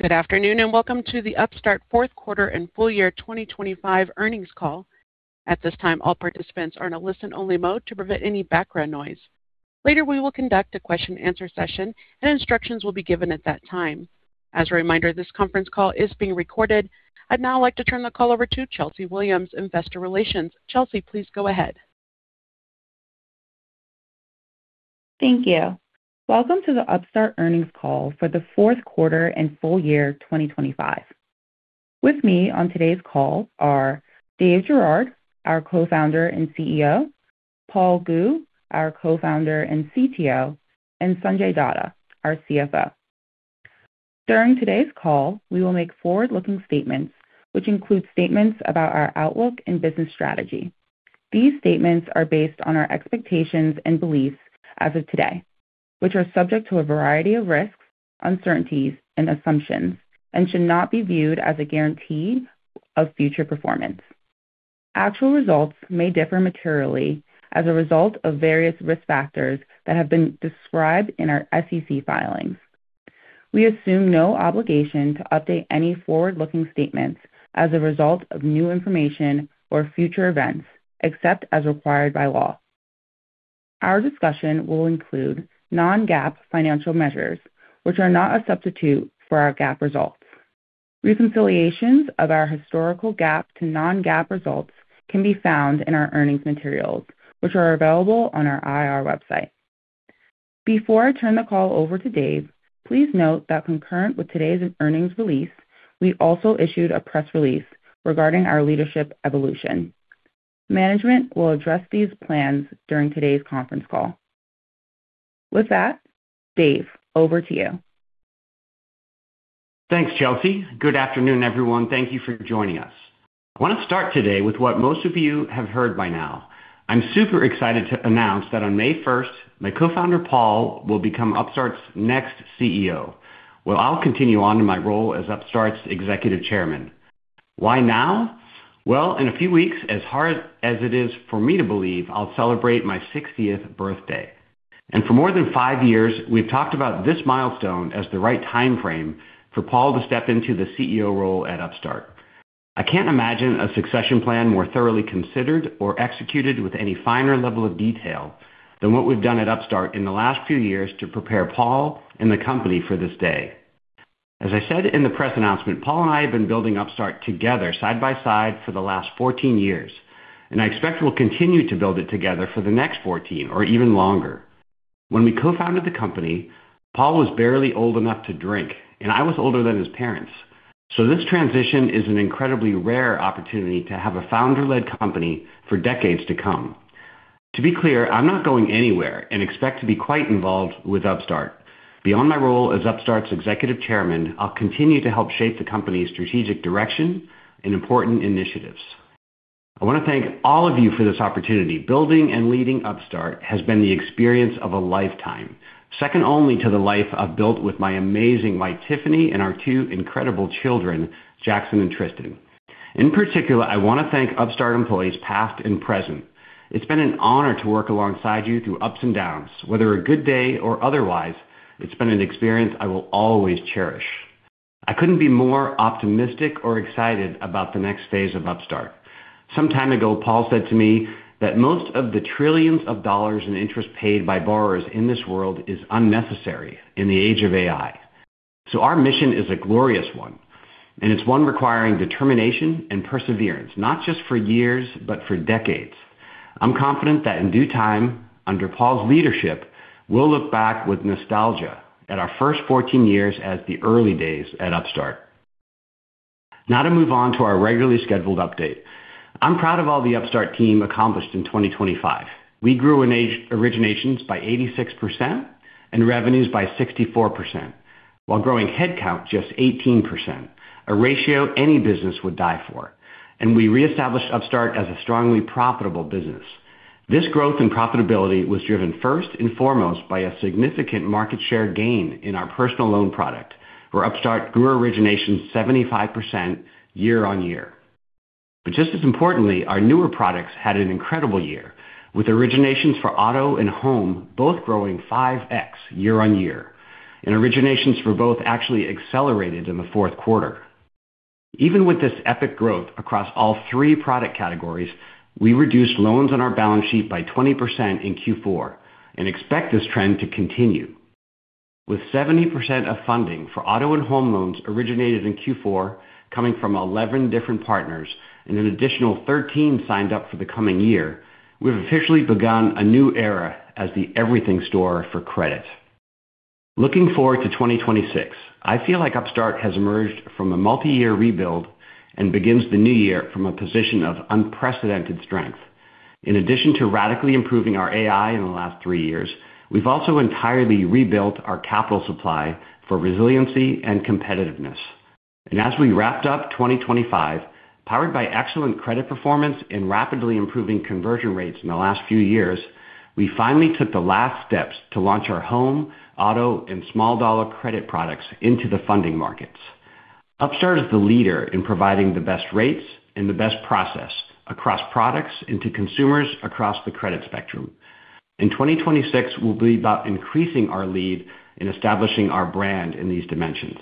Good afternoon and welcome to the Upstart fourth quarter and full year 2025 earnings call. At this time, all participants are in a listen-only mode to prevent any background noise. Later, we will conduct a question-and-answer session, and instructions will be given at that time. As a reminder, this conference call is being recorded. I'd now like to turn the call over to Chelsea Williams, Investor Relations. Chelsea, please go ahead. Thank you. Welcome to the Upstart earnings call for the fourth quarter and full year 2025. With me on today's call are Dave Girouard, our co-founder and CEO, Paul Gu, our co-founder and CTO, and Sanjay Datta, our CFO. During today's call, we will make forward-looking statements which include statements about our outlook and business strategy. These statements are based on our expectations and beliefs as of today, which are subject to a variety of risks, uncertainties, and assumptions, and should not be viewed as a guarantee of future performance. Actual results may differ materially as a result of various risk factors that have been described in our SEC filings. We assume no obligation to update any forward-looking statements as a result of new information or future events, except as required by law. Our discussion will include non-GAAP financial measures, which are not a substitute for our GAAP results. Reconciliations of our historical GAAP to non-GAAP results can be found in our earnings materials, which are available on our IR website. Before I turn the call over to Dave, please note that concurrent with today's earnings release, we also issued a press release regarding our leadership evolution. Management will address these plans during today's conference call. With that, Dave, over to you. Thanks, Chelsea. Good afternoon, everyone. Thank you for joining us. I want to start today with what most of you have heard by now. I'm super excited to announce that on May 1st, my co-founder Paul will become Upstart's next CEO, while I'll continue on in my role as Upstart's Executive Chairman. Why now? Well, in a few weeks, as hard as it is for me to believe, I'll celebrate my 60th birthday. And for more than five years, we've talked about this milestone as the right time frame for Paul to step into the CEO role at Upstart. I can't imagine a succession plan more thoroughly considered or executed with any finer level of detail than what we've done at Upstart in the last few years to prepare Paul and the company for this day. As I said in the press announcement, Paul and I have been building Upstart together, side by side, for the last 14 years, and I expect we'll continue to build it together for the next 14 or even longer. When we co-founded the company, Paul was barely old enough to drink, and I was older than his parents, so this transition is an incredibly rare opportunity to have a founder-led company for decades to come. To be clear, I'm not going anywhere and expect to be quite involved with Upstart. Beyond my role as Upstart's Executive Chairman, I'll continue to help shape the company's strategic direction and important initiatives. I want to thank all of you for this opportunity. Building and leading Upstart has been the experience of a lifetime, second only to the life I've built with my amazing wife, Tiffany, and our two incredible children, Jackson and Tristan. In particular, I want to thank Upstart employees past and present. It's been an honor to work alongside you through ups and downs. Whether a good day or otherwise, it's been an experience I will always cherish. I couldn't be more optimistic or excited about the next phase of Upstart. Some time ago, Paul said to me that most of the trillions of dollars in interest paid by borrowers in this world is unnecessary in the age of AI. So our mission is a glorious one, and it's one requiring determination and perseverance, not just for years but for decades. I'm confident that in due time, under Paul's leadership, we'll look back with nostalgia at our first 14 years as the early days at Upstart. Now to move on to our regularly scheduled update. I'm proud of all the Upstart team accomplished in 2025. We grew in originations by 86% and revenues by 64%, while growing headcount just 18%, a ratio any business would die for. We reestablished Upstart as a strongly profitable business. This growth in profitability was driven first and foremost by a significant market share gain in our personal loan product, where Upstart grew originations 75% year-on-year. But just as importantly, our newer products had an incredible year, with originations for auto and home both growing 5x year-on-year, and originations for both actually accelerated in the fourth quarter. Even with this epic growth across all three product categories, we reduced loans on our balance sheet by 20% in Q4 and expect this trend to continue. With 70% of funding for auto and home loans originated in Q4 coming from 11 different partners and an additional 13 signed up for the coming year, we've officially begun a new era as the everything store for credit. Looking forward to 2026, I feel like Upstart has emerged from a multi-year rebuild and begins the new year from a position of unprecedented strength. In addition to radically improving our AI in the last three years, we've also entirely rebuilt our capital supply for resiliency and competitiveness. As we wrapped up 2025, powered by excellent credit performance and rapidly improving conversion rates in the last few years, we finally took the last steps to launch our home, auto, and small-dollar credit products into the funding markets. Upstart is the leader in providing the best rates and the best process across products and to consumers across the credit spectrum. In 2026, we'll be about increasing our lead in establishing our brand in these dimensions.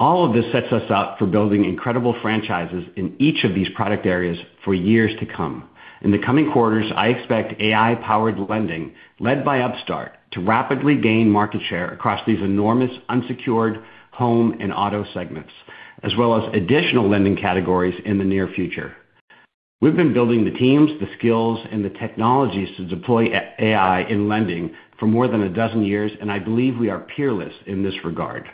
All of this sets us up for building incredible franchises in each of these product areas for years to come. In the coming quarters, I expect AI-powered lending led by Upstart to rapidly gain market share across these enormous unsecured home and auto segments, as well as additional lending categories in the near future. We've been building the teams, the skills, and the technologies to deploy AI in lending for more than a dozen years, and I believe we are peerless in this regard.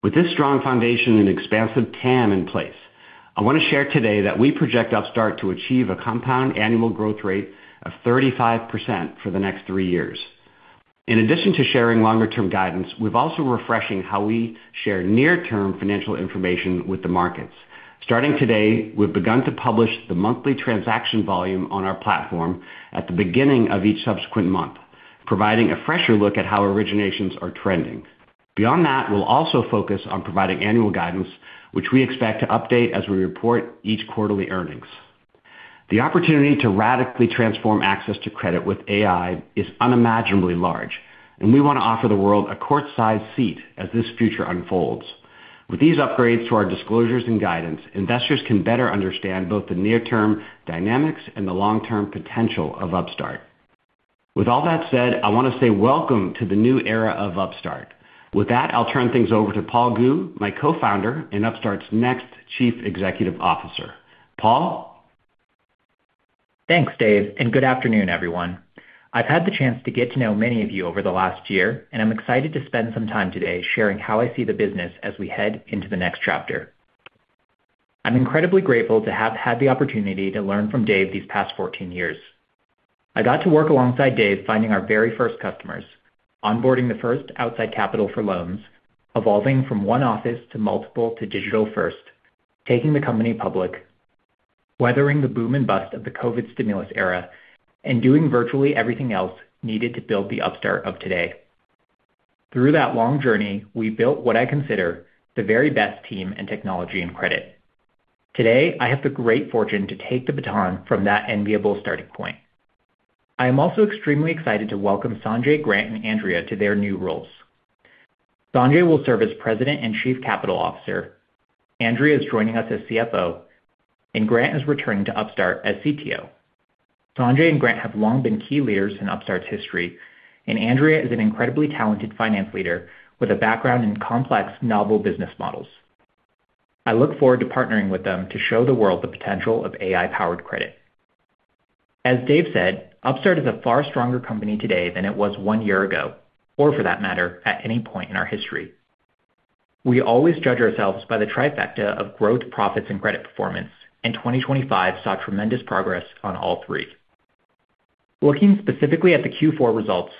With this strong foundation and expansive TAM in place, I want to share today that we project Upstart to achieve a compound annual growth rate of 35% for the next three years. In addition to sharing longer-term guidance, we've also refreshing how we share near-term financial information with the markets. Starting today, we've begun to publish the monthly transaction volume on our platform at the beginning of each subsequent month, providing a fresher look at how originations are trending. Beyond that, we'll also focus on providing annual guidance, which we expect to update as we report each quarterly earnings. The opportunity to radically transform access to credit with AI is unimaginably large, and we want to offer the world a courtside seat as this future unfolds. With these upgrades to our disclosures and guidance, investors can better understand both the near-term dynamics and the long-term potential of Upstart. With all that said, I want to say welcome to the new era of Upstart. With that, I'll turn things over to Paul Gu, my co-founder and Upstart's next Chief Executive Officer. Paul? Thanks, Dave, and good afternoon, everyone. I've had the chance to get to know many of you over the last year, and I'm excited to spend some time today sharing how I see the business as we head into the next chapter. I'm incredibly grateful to have had the opportunity to learn from Dave these past 14 years. I got to work alongside Dave finding our very first customers, onboarding the first outside capital for loans, evolving from one office to multiple to digital first, taking the company public, weathering the boom and bust of the COVID stimulus era, and doing virtually everything else needed to build the Upstart of today. Through that long journey, we built what I consider the very best team in technology and credit. Today, I have the great fortune to take the baton from that enviable starting point. I am also extremely excited to welcome Sanjay, Grant, and Andrea to their new roles. Sanjay will serve as President and Chief Capital Officer. Andrea is joining us as CFO, and Grant is returning to Upstart as CTO. Sanjay and Grant have long been key leaders in Upstart's history, and Andrea is an incredibly talented finance leader with a background in complex, novel business models. I look forward to partnering with them to show the world the potential of AI-powered credit. As Dave said, Upstart is a far stronger company today than it was one year ago, or for that matter, at any point in our history. We always judge ourselves by the trifecta of growth, profits, and credit performance, and 2025 saw tremendous progress on all three. Looking specifically at the Q4 results,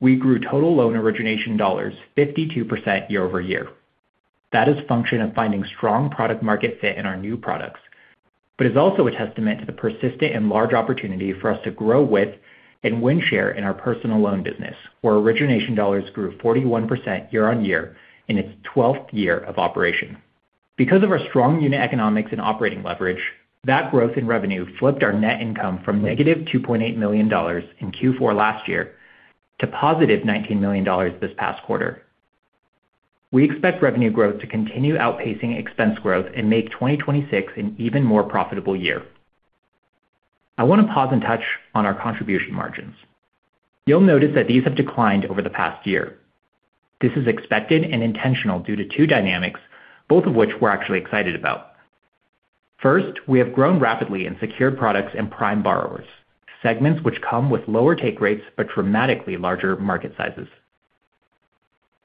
we grew total loan origination dollars 52% year-over-year. That is function of finding strong product-market fit in our new products, but is also a testament to the persistent and large opportunity for us to grow with and win share in our Personal Loan business, where origination dollars grew 41% year-on-year in its 12th year of operation. Because of our strong unit economics and operating leverage, that growth in revenue flipped our net income from -$2.8 million in Q4 last year to +$19 million this past quarter. We expect revenue growth to continue outpacing expense growth and make 2026 an even more profitable year. I want to pause and touch on our contribution margins. You'll notice that these have declined over the past year. This is expected and intentional due to two dynamics, both of which we're actually excited about. First, we have grown rapidly in secured products and prime borrowers, segments which come with lower take rates but dramatically larger market sizes.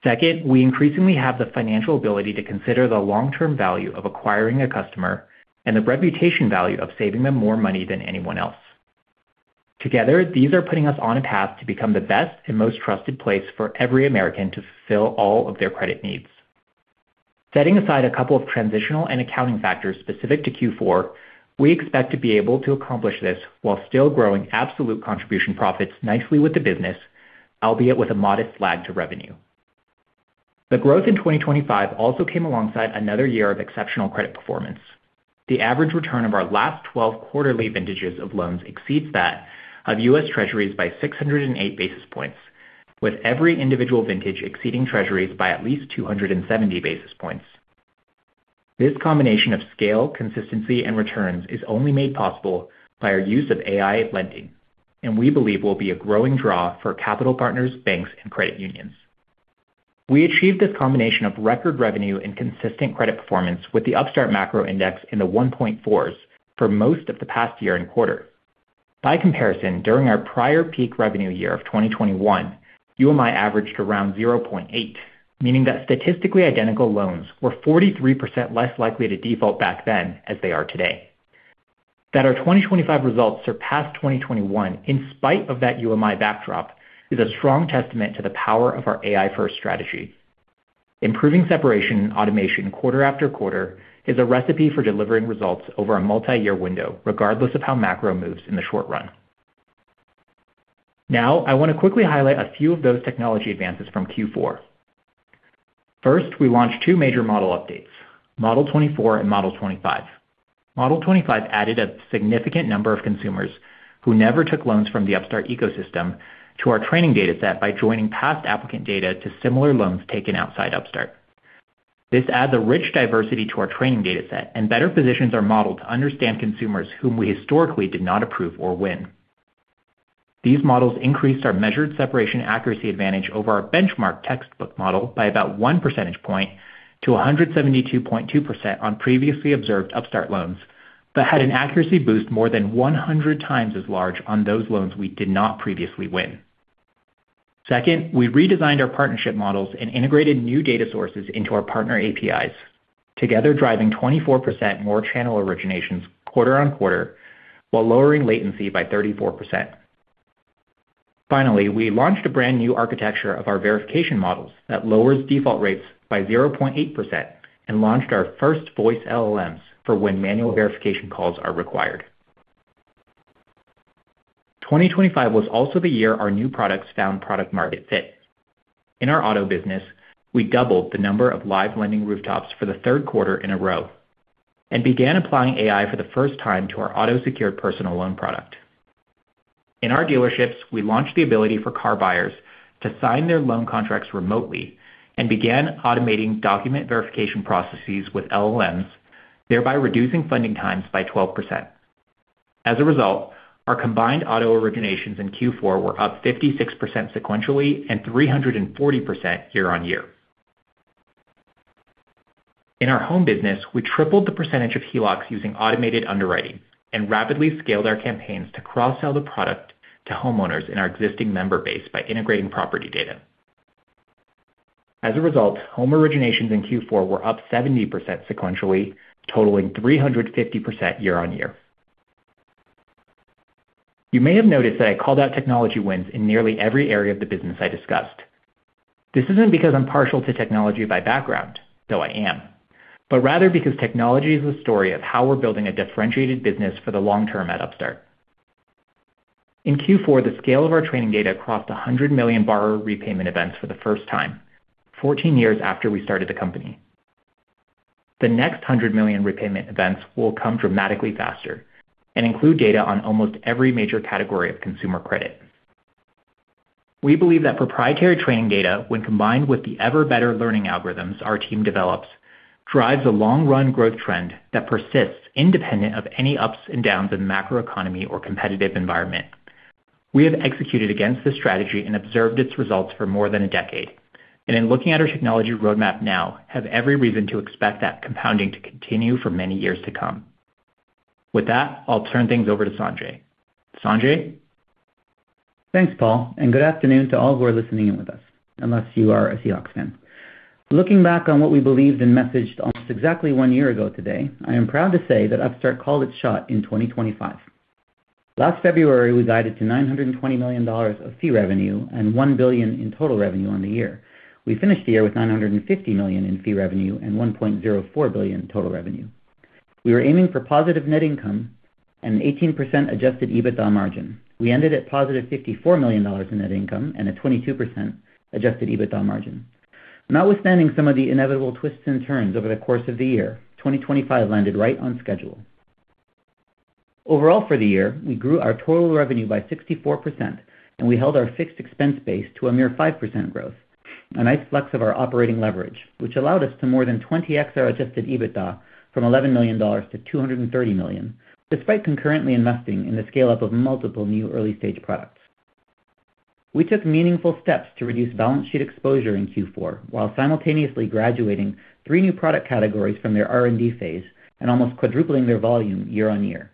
Second, we increasingly have the financial ability to consider the long-term value of acquiring a customer and the reputation value of saving them more money than anyone else. Together, these are putting us on a path to become the best and most trusted place for every American to fulfill all of their credit needs. Setting aside a couple of transitional and accounting factors specific to Q4, we expect to be able to accomplish this while still growing absolute contribution profits nicely with the business, albeit with a modest lag to revenue. The growth in 2025 also came alongside another year of exceptional credit performance. The average return of our last 12 quarterly vintages of loans exceeds that of U.S. Treasuries by 608 basis points, with every individual vintage exceeding Treasuries by at least 270 basis points. This combination of scale, consistency, and returns is only made possible by our use of AI lending, and we believe will be a growing draw for capital partners, banks, and credit unions. We achieved this combination of record revenue and consistent credit performance with the Upstart Macro Index in the 1.4s for most of the past year and quarter. By comparison, during our prior peak revenue year of 2021, UMI averaged around 0.8, meaning that statistically identical loans were 43% less likely to default back then as they are today. That our 2025 results surpassed 2021 in spite of that UMI backdrop is a strong testament to the power of our AI-first strategy. Improving separation and automation quarter after quarter is a recipe for delivering results over a multi-year window, regardless of how macro moves in the short run. Now, I want to quickly highlight a few of those technology advances from Q4. First, we launched two major model updates: Model 24 and Model 25. Model 25 added a significant number of consumers who never took loans from the Upstart ecosystem to our training dataset by joining past applicant data to similar loans taken outside Upstart. This adds a rich diversity to our training dataset and better positions our model to understand consumers whom we historically did not approve or win. These models increased our measured separation accuracy advantage over our benchmark textbook model by about 1 percentage point to 172.2% on previously observed Upstart loans but had an accuracy boost more than 100x as large on those loans we did not previously win. Second, we redesigned our partnership models and integrated new data sources into our partner APIs, together driving 24% more channel originations quarter-on-quarter while lowering latency by 34%. Finally, we launched a brand new architecture of our verification models that lowers default rates by 0.8% and launched our first voice LLMs for when manual verification calls are required. 2025 was also the year our new products found product-market fit. In our auto business, we doubled the number of live lending rooftops for the third quarter in a row and began applying AI for the first time to our auto-secured personal loan product. In our dealerships, we launched the ability for car buyers to sign their loan contracts remotely and began automating document verification processes with LLMs, thereby reducing funding times by 12%. As a result, our combined auto originations in Q4 were up 56% sequentially and 340% year-on-year. In our home business, we tripled the percentage of HELOCs using automated underwriting and rapidly scaled our campaigns to cross-sell the product to homeowners in our existing member base by integrating property data. As a result, home originations in Q4 were up 70% sequentially, totaling 350% year-on-year. You may have noticed that I called out technology wins in nearly every area of the business I discussed. This isn't because I'm partial to technology by background, though I am, but rather because technology is the story of how we're building a differentiated business for the long term at Upstart. In Q4, the scale of our training data crossed 100 million borrower repayment events for the first time, 14 years after we started the company. The next 100 million repayment events will come dramatically faster and include data on almost every major category of consumer credit. We believe that proprietary training data, when combined with the ever-better learning algorithms our team develops, drives a long-run growth trend that persists independent of any ups and downs in the macroeconomy or competitive environment. We have executed against this strategy and observed its results for more than a decade, and in looking at our technology roadmap now, have every reason to expect that compounding to continue for many years to come. With that, I'll turn things over to Sanjay. Sanjay? Thanks, Paul, and good afternoon to all who are listening in with us, unless you are a HELOCs fan. Looking back on what we believed and messaged almost exactly one year ago today, I am proud to say that Upstart called its shot in 2025. Last February, we guided to $920 million of fee revenue and $1 billion in total revenue on the year. We finished the year with $950 million in fee revenue and $1.04 billion total revenue. We were aiming for positive net income and an 18% adjusted EBITDA margin. We ended at +$54 million in net income and a 22% adjusted EBITDA margin. Notwithstanding some of the inevitable twists and turns over the course of the year, 2025 landed right on schedule. Overall for the year, we grew our total revenue by 64%, and we held our fixed expense base to a mere 5% growth, a nice flex of our operating leverage, which allowed us to more than 20x our adjusted EBITDA from $11 million-$230 million, despite concurrently investing in the scale-up of multiple new early-stage products. We took meaningful steps to reduce balance sheet exposure in Q4 while simultaneously graduating three new product categories from their R&D phase and almost quadrupling year-over-year.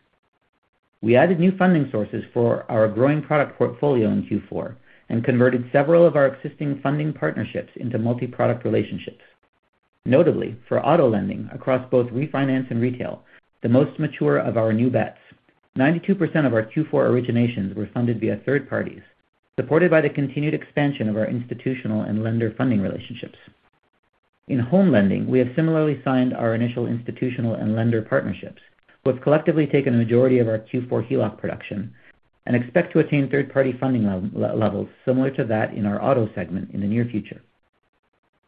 we added new funding sources for our growing product portfolio in Q4 and converted several of our existing funding partnerships into multi-product relationships. Notably, for auto lending across both refinance and retail, the most mature of our new bets, 92% of our Q4 originations were funded via third parties, supported by the continued expansion of our institutional and lender funding relationships. In home lending, we have similarly signed our initial institutional and lender partnerships, who have collectively taken a majority of our Q4 HELOC production and expect to attain third-party funding levels similar to that in our auto segment in the near future.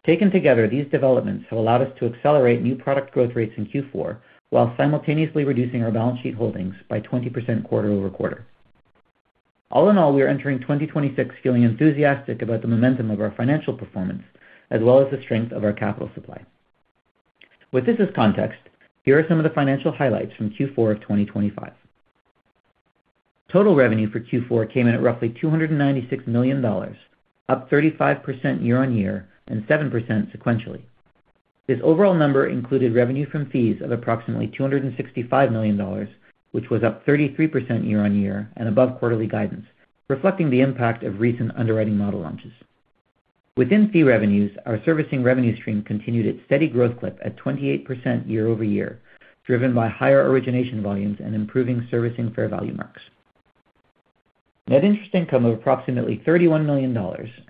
Taken together, these developments have allowed us to accelerate new product growth rates in Q4 while simultaneously reducing our balance sheet holdings by 20% quarter-over-quarter. All in all, we are entering 2026 feeling enthusiastic about the momentum of our financial performance as well as the strength of our capital supply. With this as context, here are some of the financial highlights from Q4 of 2025. Total revenue for Q4 came in at roughly $296 million, up 35% year-over-year and 7% sequentially. This overall number included revenue from fees of approximately $265 million, which up 30% was year-over-year and above quarterly guidance, reflecting the impact of recent underwriting model launches. Within fee revenues, our servicing revenue stream continued its steady growth clip year-over-year, driven by higher origination volumes and improving servicing fair value marks. Net interest income of approximately $31 million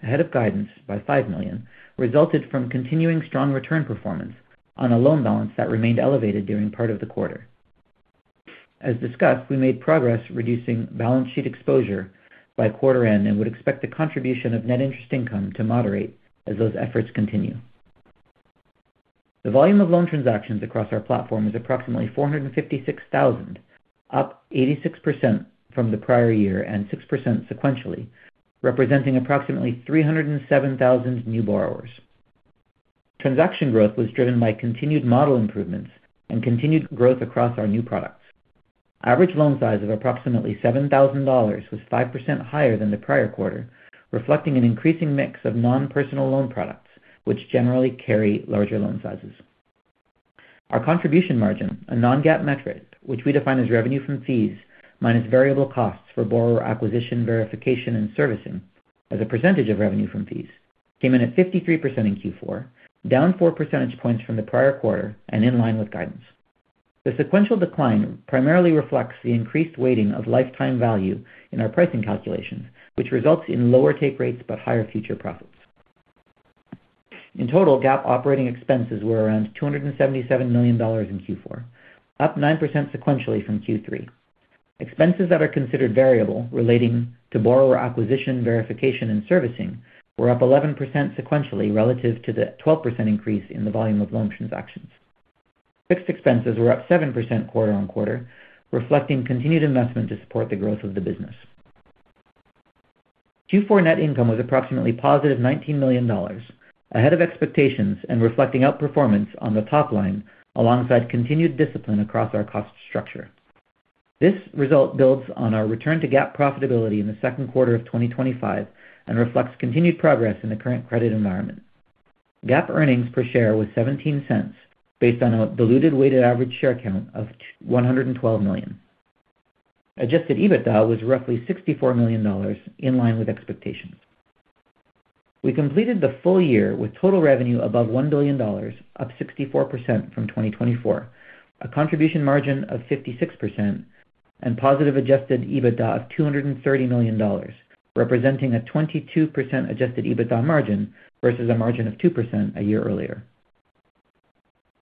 ahead of guidance by $5 million resulted from continuing strong return performance on a loan balance that remained elevated during part of the quarter. As discussed, we made progress reducing balance sheet exposure by quarter end and would expect the contribution of net interest income to moderate as those efforts continue. The volume of loan transactions across our platform is approximately 456,000, up 86% from the prior year and 6% sequentially, representing approximately 307,000 new borrowers. Transaction growth was driven by continued model improvements and continued growth across our new products. Average loan size of approximately $7,000 was 5% higher than the prior quarter, reflecting an increasing mix of non-personal loan products, which generally carry larger loan sizes. Our contribution margin, a non-GAAP metric which we define as revenue from fees minus variable costs for borrower acquisition, verification, and servicing as a percentage of revenue from fees, came in at 53% in Q4, down 4 percentage points from the prior quarter and in line with guidance. The sequential decline primarily reflects the increased weighting of lifetime value in our pricing calculations, which results in lower take rates but higher future profits. In total, GAAP operating expenses were around $277 million in Q4, up 9% sequentially from Q3. Expenses that are considered variable relating to borrower acquisition, verification, and servicing were up 11% sequentially relative to the 12% increase in the volume of loan transactions. Fixed expenses were up 7% quarter on quarter, reflecting continued investment to support the growth of the business. Q4 net income was approximately +$19 million ahead of expectations and reflecting outperformance on the top line alongside continued discipline across our cost structure. This result builds on our return to GAAP profitability in the second quarter of 2025 and reflects continued progress in the current credit environment. GAAP earnings per share was $0.17 based on a diluted weighted average share count of 112 million. Adjusted EBITDA was roughly $64 million, in line with expectations. We completed the full year with total revenue above $1 billion, up 64% from 2024, a contribution margin of 56%, and positive adjusted EBITDA of $230 million, representing a 22% adjusted EBITDA margin versus a margin of 2% a year earlier.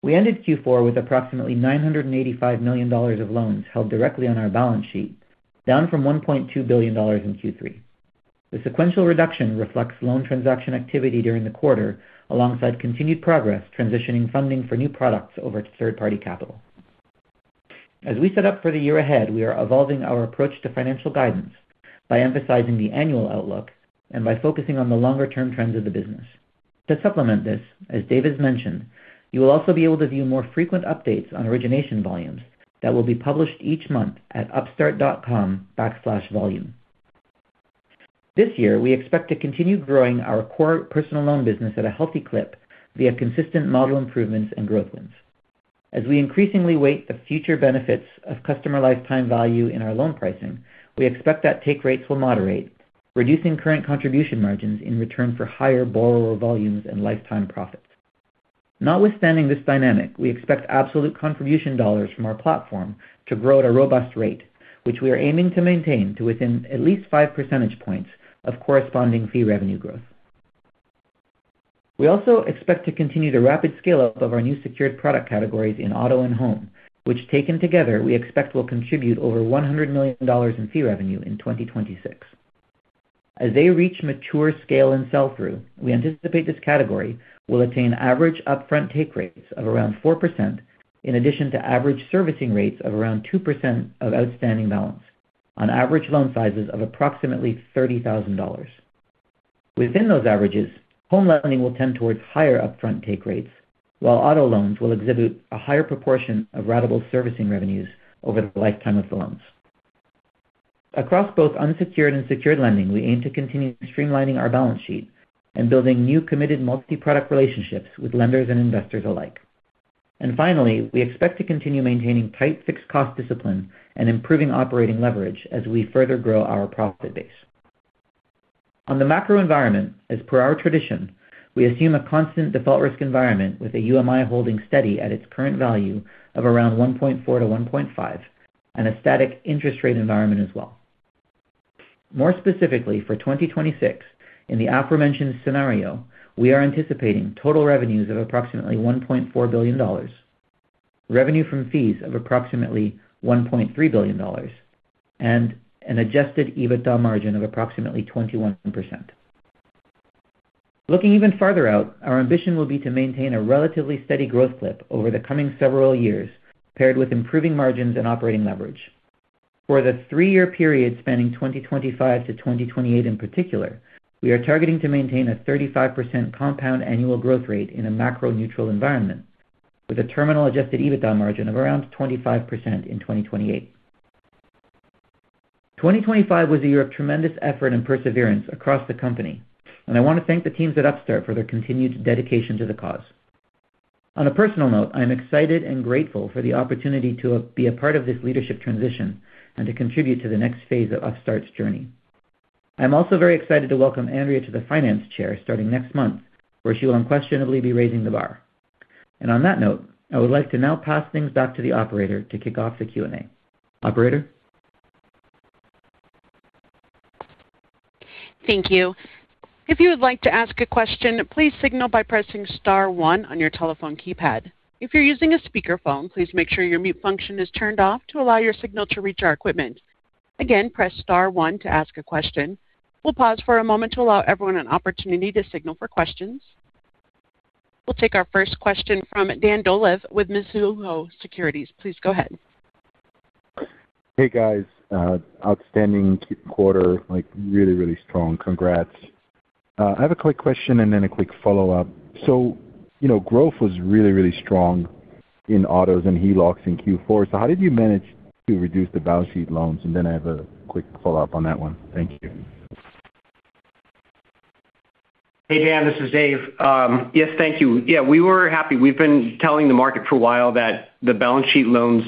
We ended Q4 with approximately $985 million of loans held directly on our balance sheet, down from $1.2 billion in Q3. The sequential reduction reflects loan transaction activity during the quarter alongside continued progress transitioning funding for new products over to third-party capital. As we set up for the year ahead, we are evolving our approach to financial guidance by emphasizing the annual outlook and by focusing on the longer-term trends of the business. To supplement this, as Dave has mentioned, you will also be able to view more frequent updates on origination volumes that will be published each month at upstart.com/volume. This year, we expect to continue growing our core Personal Loan business at a healthy clip via consistent model improvements and growth wins. As we increasingly weight the future benefits of customer lifetime value in our loan pricing, we expect that take rates will moderate, reducing current contribution margins in return for higher borrower volumes and lifetime profits. Notwithstanding this dynamic, we expect absolute contribution dollars from our platform to grow at a robust rate, which we are aiming to maintain to within at least 5 percentage points of corresponding fee revenue growth. We also expect to continue the rapid scale-up of our new secured product categories in auto and home, which taken together, we expect will contribute over $100 million in fee revenue in 2026. As they reach mature scale and sell-through, we anticipate this category will attain average upfront take rates of around 4% in addition to average servicing rates of around 2% of outstanding balance, on average loan sizes of approximately $30,000. Within those averages, home lending will tend towards higher upfront take rates, while auto loans will exhibit a higher proportion of ratable servicing revenues over the lifetime of the loans. Across both unsecured and secured lending, we aim to continue streamlining our balance sheet and building new committed multi-product relationships with lenders and investors alike. And finally, we expect to continue maintaining tight fixed cost discipline and improving operating leverage as we further grow our profit base. On the macro environment, as per our tradition, we assume a constant default risk environment with a UMI holding steady at its current value of around 1.4-1.5 and a static interest rate environment as well. More specifically, for 2026, in the aforementioned scenario, we are anticipating total revenues of approximately $1.4 billion, revenue from fees of approximately $1.3 billion, and an adjusted EBITDA margin of approximately 21%. Looking even farther out, our ambition will be to maintain a relatively steady growth clip over the coming several years paired with improving margins and operating leverage. For the three-year period spanning 2025-2028 in particular, we are targeting to maintain a 35% compound annual growth rate in a macro-neutral environment with a terminal adjusted EBITDA margin of around 25% in 2028. 2025 was a year of tremendous effort and perseverance across the company, and I want to thank the teams at Upstart for their continued dedication to the cause. On a personal note, I am excited and grateful for the opportunity to be a part of this leadership transition and to contribute to the next phase of Upstart's journey. I am also very excited to welcome Andrea to the finance chair starting next month, where she will unquestionably be raising the bar. And on that note, I would like to now pass things back to the operator to kick off the Q&A. Operator? Thank you. If you would like to ask a question, please signal by pressing star one on your telephone keypad. If you're using a speakerphone, please make sure your mute function is turned off to allow your signal to reach our equipment. Again, press star one to ask a question. We'll pause for a moment to allow everyone an opportunity to signal for questions. We'll take our first question from Dan Dolev with Mizuho Securities, please go ahead. Hey, guys. Outstanding quarter, really, really strong. Congrats. I have a quick question and then a quick follow-up. So growth was really, really strong in autos and HELOCs in Q4, so how did you manage to reduce the balance sheet loans? And then I have a quick follow-up on that one, thank you. Hey, Dan this is Dave. Yes, thank you. Yeah, we were happy. We've been telling the market for a while that the balance sheet loans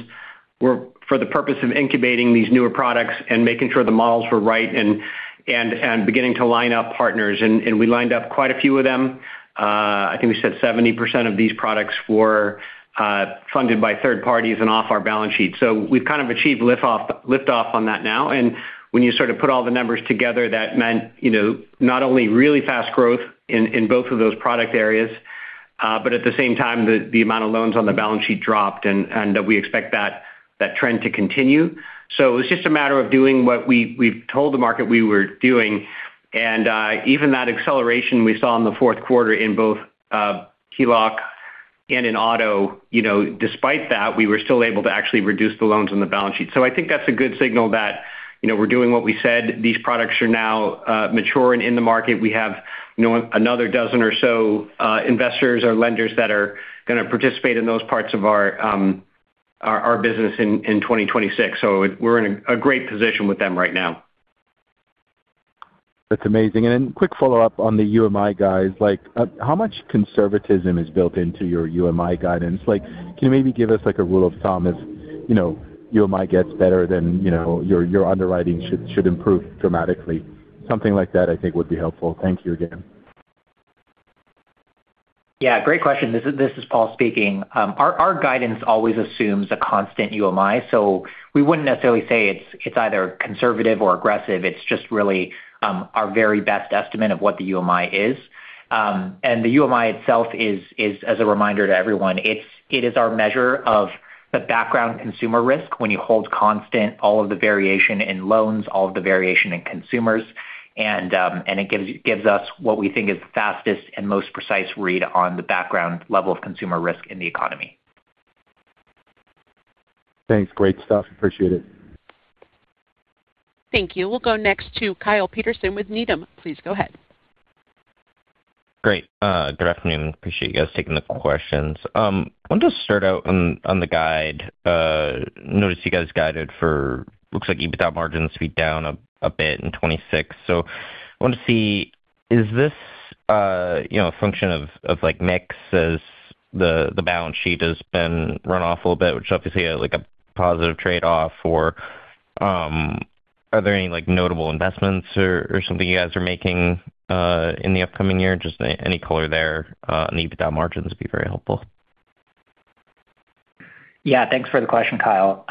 were for the purpose of incubating these newer products and making sure the models were right and beginning to line up partners. And we lined up quite a few of them. I think we said 70% of these products were funded by third parties and off our balance sheet. So we've kind of achieved liftoff on that now. And when you sort of put all the numbers together, that meant not only really fast growth in both of those product areas, but at the same time, the amount of loans on the balance sheet dropped, and we expect that trend to continue. So it was just a matter of doing what we've told the market we were doing. Even that acceleration we saw in the fourth quarter in both HELOC and in auto, despite that, we were still able to actually reduce the loans on the balance sheet. I think that's a good signal that we're doing what we said. These products are now mature and in the market. We have another dozen or so investors or lenders that are going to participate in those parts of our business in 2026. We're in a great position with them right now. That's amazing. And then quick follow-up on the UMI, guys. How much conservatism is built into your UMI guidance? Can you maybe give us a rule of thumb if UMI gets better then your underwriting should improve dramatically? Something like that, I think, would be helpful. Thank you again. Yeah, great question. This is Paul speaking. Our guidance always assumes a constant UMI. So we wouldn't necessarily say it's either conservative or aggressive. It's just really our very best estimate of what the UMI is. And the UMI itself is, as a reminder to everyone, it is our measure of the background consumer risk when you hold constant all of the variation in loans, all of the variation in consumers. And it gives us what we think is the fastest and most precise read on the background level of consumer risk in the economy. Thanks great stuff, appreciate it. Thank you. We'll go next to Kyle Peterson with Needham, please go ahead. Great, good afternoon. Appreciate you guys taking the questions. I wanted to start out on the guide. Noticed you guys guided for looks like EBITDA margins be down a bit in 2026. So I wanted to see, is this a function of mix as the balance sheet has been run off a little bit, which is obviously a positive trade-off, or are there any notable investments or something you guys are making in the upcoming year? Just any color there. An EBITDA margin would be very helpful. Yeah, thanks for the question, Kyle.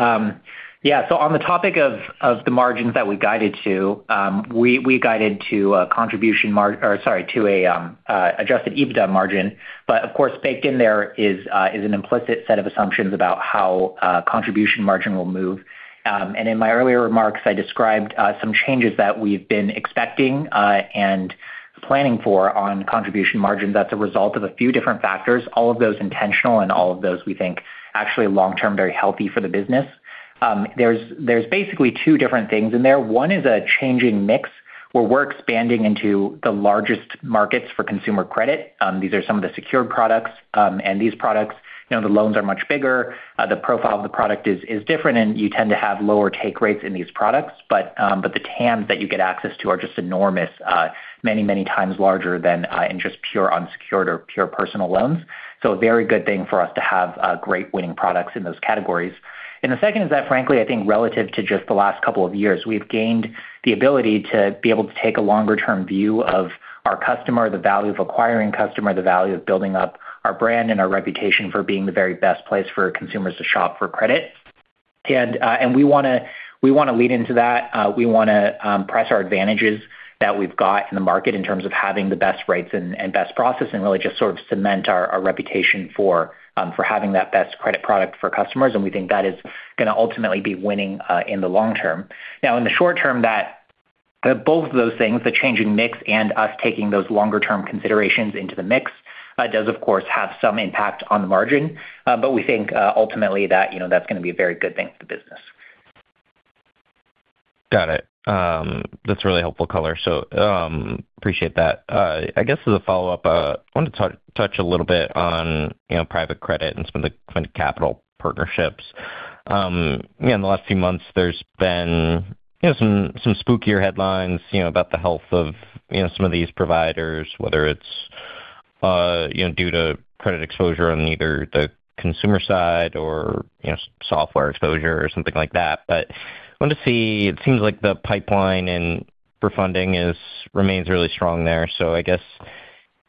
Yeah, so on the topic of the margins that we guided to, we guided to a contribution or sorry, to an adjusted EBITDA margin. But of course, baked in there is an implicit set of assumptions about how contribution margin will move. And in my earlier remarks, I described some changes that we've been expecting and planning for on contribution margin that's a result of a few different factors, all of those intentional and all of those, we think, actually long-term very healthy for the business. There's basically two different things in there. One is a changing mix where we're expanding into the largest markets for consumer credit. These are some of the secured products. And these products, the loans are much bigger. The profile of the product is different, and you tend to have lower take rates in these products. But the TAMs that you get access to are just enormous, many, many times larger than in just pure unsecured or pure Personal Loans. So a very good thing for us to have great winning products in those categories. And the second is that, frankly, I think relative to just the last couple of years, we've gained the ability to be able to take a longer-term view of our customer, the value of acquiring customer, the value of building up our brand and our reputation for being the very best place for consumers to shop for credit. And we want to lead into that. We want to press our advantages that we've got in the market in terms of having the best rates and best process and really just sort of cement our reputation for having that best credit product for customers. We think that is going to ultimately be winning in the long term. Now, in the short term, both of those things, the changing mix and us taking those longer-term considerations into the mix, does, of course, have some impact on the margin. We think ultimately that that's going to be a very good thing for the business. Got it, that's a really helpful color. So appreciate that. I guess as a follow-up, I wanted to touch a little bit on private credit and some of the capital and funding partnerships. In the last few months, there's been some spookier headlines about the health of some of these providers, whether it's due to credit exposure on either the consumer side or software exposure or something like that. But I wanted to see, it seems like the pipeline for funding remains really strong there. So I guess,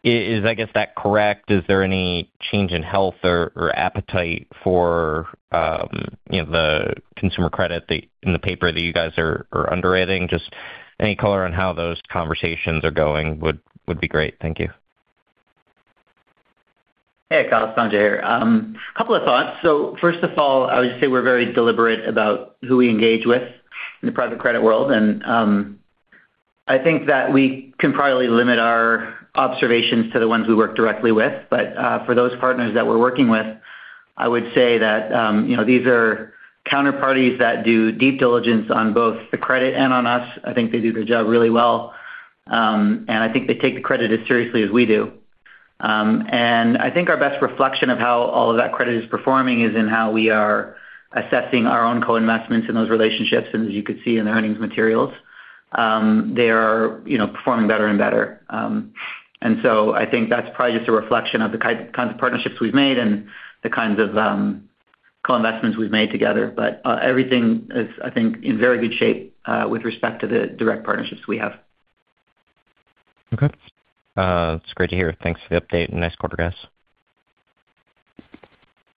is that correct? Is there any change in health or appetite for the consumer credit in the paper that you guys are underwriting? Just any color on how those conversations are going would be great, thank you. Hey, Kyle, Sanjay here. A couple of thoughts. So first of all, I would just say we're very deliberate about who we engage with in the private credit world. And I think that we can probably limit our observations to the ones we work directly with. But for those partners that we're working with, I would say that these are counterparties that do deep diligence on both the credit and on us. I think they do their job really well. And I think they take the credit as seriously as we do. And I think our best reflection of how all of that credit is performing is in how we are assessing our own co-investments in those relationships. And as you could see in the earnings materials, they are performing better and better. And so I think that's probably just a reflection of the kinds of partnerships we've made and the kinds of co-investments we've made together. But everything is, I think, in very good shape with respect to the direct partnerships we have. Okay, that's great to hear. Thanks for the update. Nice quarter, guys.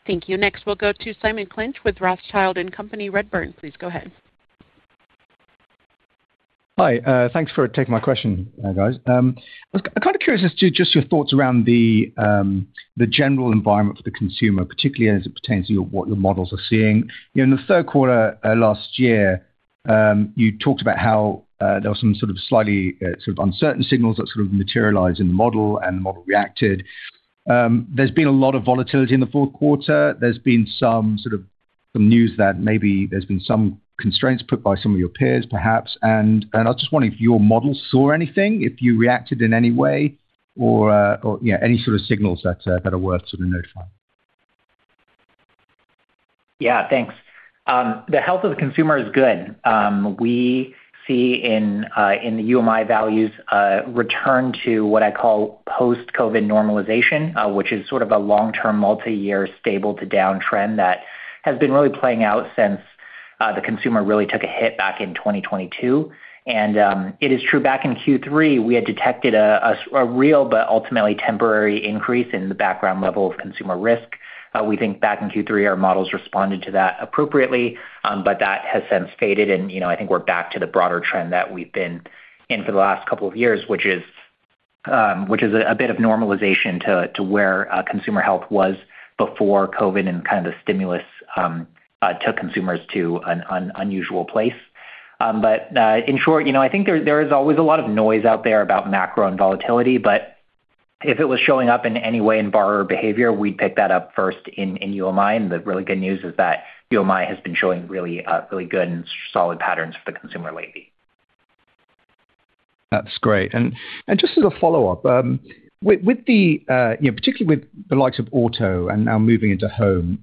Thank you. Next, we'll go to Simon Clinch with Rothschild & Co Redburn, please go ahead. Hi. Thanks for taking my question, guys. I'm kind of curious as to just your thoughts around the general environment for the consumer, particularly as it pertains to what your models are seeing. In the third quarter last year, you talked about how there were some sort of slightly uncertain signals that sort of materialized in the model and the model reacted. There's been a lot of volatility in the fourth quarter. There's been some news that maybe there's been some constraints put by some of your peers, perhaps. And I was just wondering if your model saw anything, if you reacted in any way, or any sort of signals that are worth sort of notifying? Yeah, thanks. The health of the consumer is good. We see in the UMI values a return to what I call post-COVID normalization, which is sort of a long-term multi-year stable-to-down trend that has been really playing out since the consumer really took a hit back in 2022. And it is true, back in Q3, we had detected a real but ultimately temporary increase in the background level of consumer risk. We think back in Q3, our models responded to that appropriately, but that has since faded. And I think we're back to the broader trend that we've been in for the last couple of years, which is a bit of normalization to where consumer health was before COVID and kind of the stimulus took consumers to an unusual place. But in short, I think there is always a lot of noise out there about macro and volatility. But if it was showing up in any way in borrower behavior, we'd pick that up first in UMI. And the really good news is that UMI has been showing really good and solid patterns for the consumer lately. That's great. And just as a follow-up, particularly with the likes of auto and now moving into home,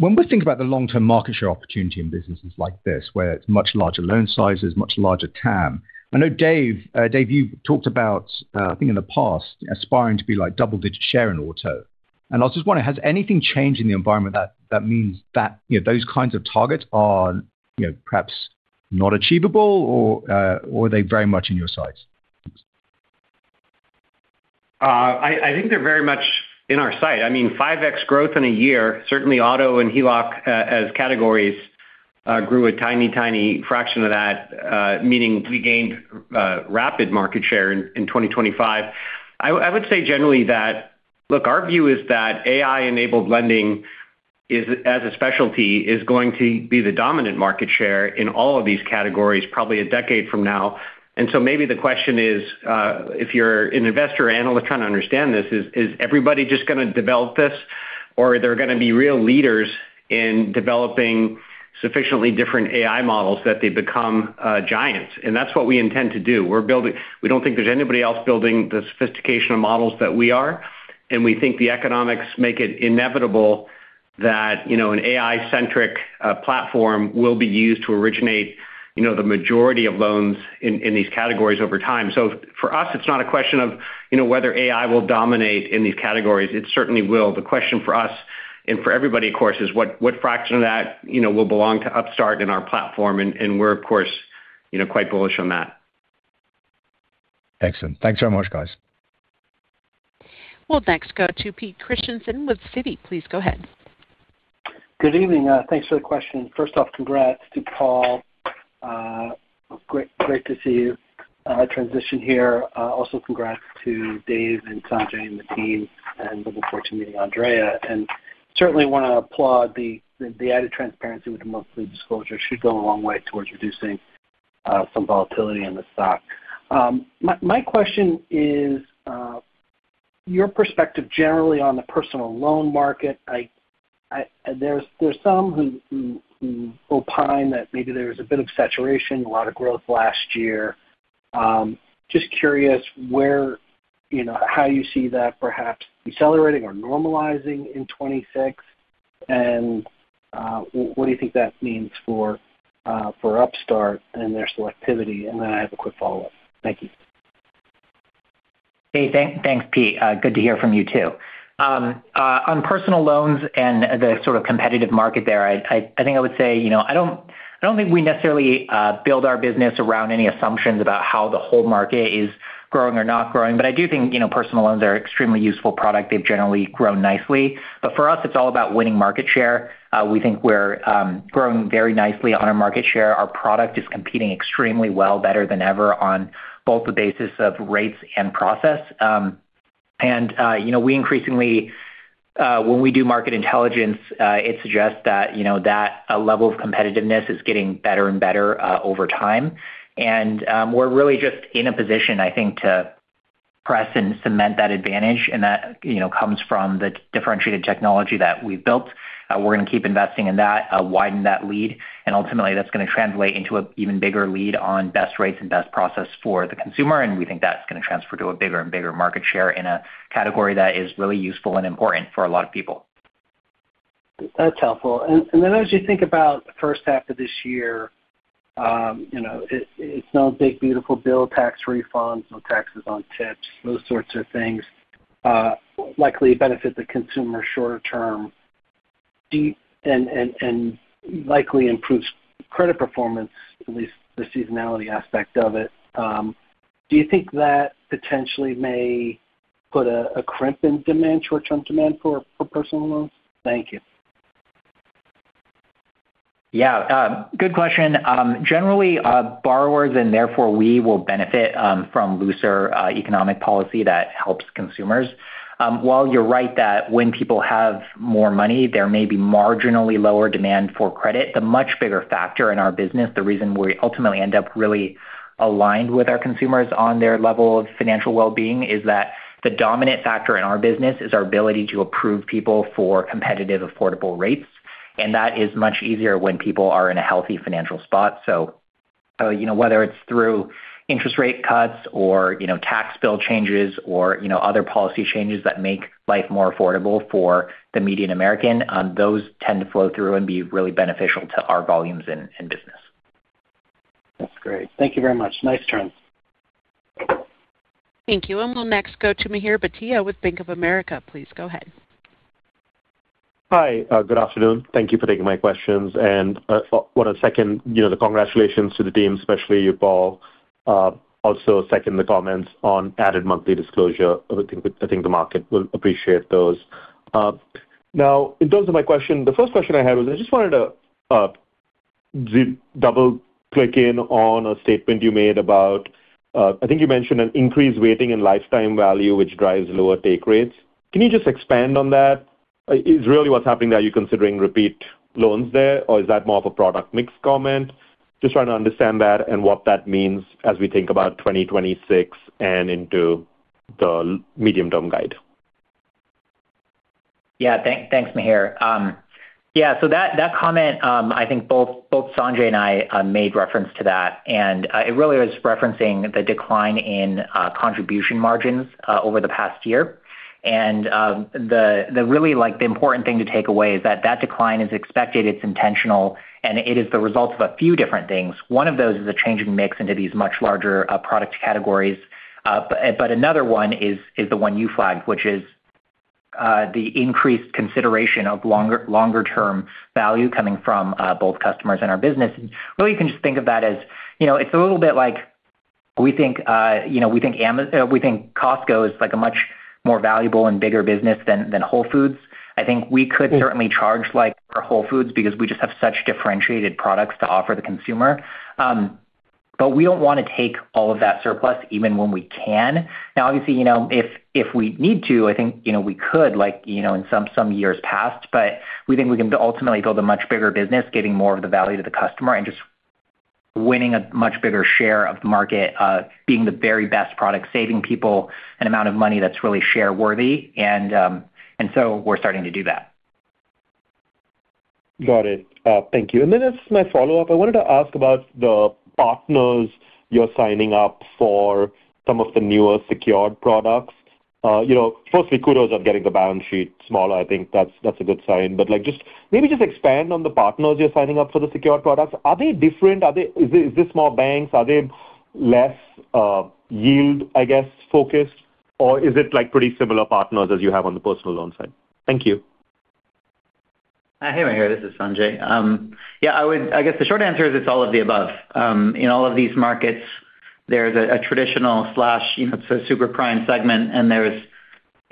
when we think about the long-term market share opportunity in businesses like this, where it's much larger loan sizes, much larger TAM, I know, Dave, you talked about, I think, in the past, aspiring to be double-digit share in auto. And I was just wondering, has anything changed in the environment that means that those kinds of targets are perhaps not achievable, or are they very much in your sights? I think they're very much in our sight. I mean, 5x growth in a year, certainly auto and HELOC as categories grew a tiny, tiny fraction of that, meaning we gained rapid market share in 2025. I would say generally that, look, our view is that AI-enabled lending, as a specialty, is going to be the dominant market share in all of these categories probably a decade from now. And so maybe the question is, if you're an investor or analyst trying to understand this, is everybody just going to develop this, or are there going to be real leaders in developing sufficiently different AI models that they become giants? And that's what we intend to do. We don't think there's anybody else building the sophistication of models that we are. We think the economics make it inevitable that an AI-centric platform will be used to originate the majority of loans in these categories over time. For us, it's not a question of whether AI will dominate in these categories. It certainly will. The question for us and for everybody, of course, is what fraction of that will belong to Upstart and our platform? We're, of course, quite bullish on that. Excellent, thanks very much guys. Well, next go to Peter Christiansen with Citi, please go ahead. Good evening. Thanks for the question. First off, congrats to Paul. Great to see you transition here. Also, congrats to Dave and Sanjay and the team. Looking forward to meeting Andrea. Certainly, I want to applaud the added transparency with the monthly disclosure. It should go a long way towards reducing some volatility in the stock. My question is your perspective generally on the personal loan market. There's some who opine that maybe there was a bit of saturation, a lot of growth last year. Just curious how you see that perhaps decelerating or normalizing in 2026, and what do you think that means for Upstart and their selectivity? Then I have a quick follow-up, thank you. Hey, thanks, Pete. Good to hear from you too. On Personal Loans and the sort of competitive market there, I think I would say I don't think we necessarily build our business around any assumptions about how the whole market is growing or not growing. But I do think personal loans are an extremely useful product. They've generally grown nicely. But for us, it's all about winning market share. We think we're growing very nicely on our market share. Our product is competing extremely well, better than ever, on both the basis of rates and process. And we increasingly, when we do market intelligence, it suggests that a level of competitiveness is getting better and better over time. And we're really just in a position, I think, to press and cement that advantage. And that comes from the differentiated technology that we've built. We're going to keep investing in that, widen that lead. Ultimately, that's going to translate into an even bigger lead on best rates and best process for the consumer. We think that's going to transfer to a bigger and bigger market share in a category that is really useful and important for a lot of people. That's helpful. Then as you think about the first half of this year, it's no big, beautiful bill, tax refunds, no taxes on tips, those sorts of things, likely benefit the consumer shorter term and likely improves credit performance, at least the seasonality aspect of it. Do you think that potentially may put a crimp in demand, short-term demand for personal loans? Thank you. Yeah, good question. Generally, borrowers and therefore we will benefit from looser economic policy that helps consumers. While you're right that when people have more money, there may be marginally lower demand for credit, the much bigger factor in our business, the reason we ultimately end up really aligned with our consumers on their level of financial well-being is that the dominant factor in our business is our ability to approve people for competitive, affordable rates. That is much easier when people are in a healthy financial spot. Whether it's through interest rate cuts or tax bill changes or other policy changes that make life more affordable for the median American, those tend to flow through and be really beneficial to our volumes in business. That's great. Thank you very much, nice turn. Thank you. And we'll next go to Mihir Bhatia with Bank of America, please go ahead. Hi, good afternoon. Thank you for taking my questions. And second the congratulations to the team, especially you, Paul. Also, second the comments on added monthly disclosure. I think the market will appreciate those. Now, in terms of my question, the first question I had was I just wanted to double-click in on a statement you made about I think you mentioned an increased weighting in lifetime value, which drives lower take rates. Can you just expand on that? Is really what's happening that you're considering repeat loans there, or is that more of a product-mix comment? Just trying to understand that and what that means as we think about 2026 and into the medium-term guide. Yeah, thanks, Mihir. Yeah, so that comment, I think both Sanjay and I made reference to that. And really, the important thing to take away is that that decline is expected. It's intentional. And it is the result of a few different things. One of those is the changing mix into these much larger product categories. But another one is the one you flagged, which is the increased consideration of longer-term value coming from both customers and our business. And really, you can just think of that as it's a little bit like we think Costco is a much more valuable and bigger business than Whole Foods. I think we could certainly charge for Whole Foods because we just have such differentiated products to offer the consumer. But we don't want to take all of that surplus, even when we can. Now, obviously, if we need to, I think we could in some years past. But we think we can ultimately build a much bigger business, giving more of the value to the customer and just winning a much bigger share of the market, being the very best product, saving people an amount of money that's really share-worthy. And so we're starting to do that. Got it, thank you. Then as my follow-up, I wanted to ask about the partners you're signing up for some of the newer secured products. First, kudos on getting the balance sheet smaller. I think that's a good sign. But maybe just expand on the partners you're signing up for the secured products. Are they different? Is this more banks? Are they less yield, I guess, focused? Or is it pretty similar partners as you have on the Personal Loan side? Thank you. Hey, Mihir. This is Sanjay. Yeah, I guess the short answer is it's all of the above. In all of these markets, there's a traditional slash it's a superprime segment. And there's,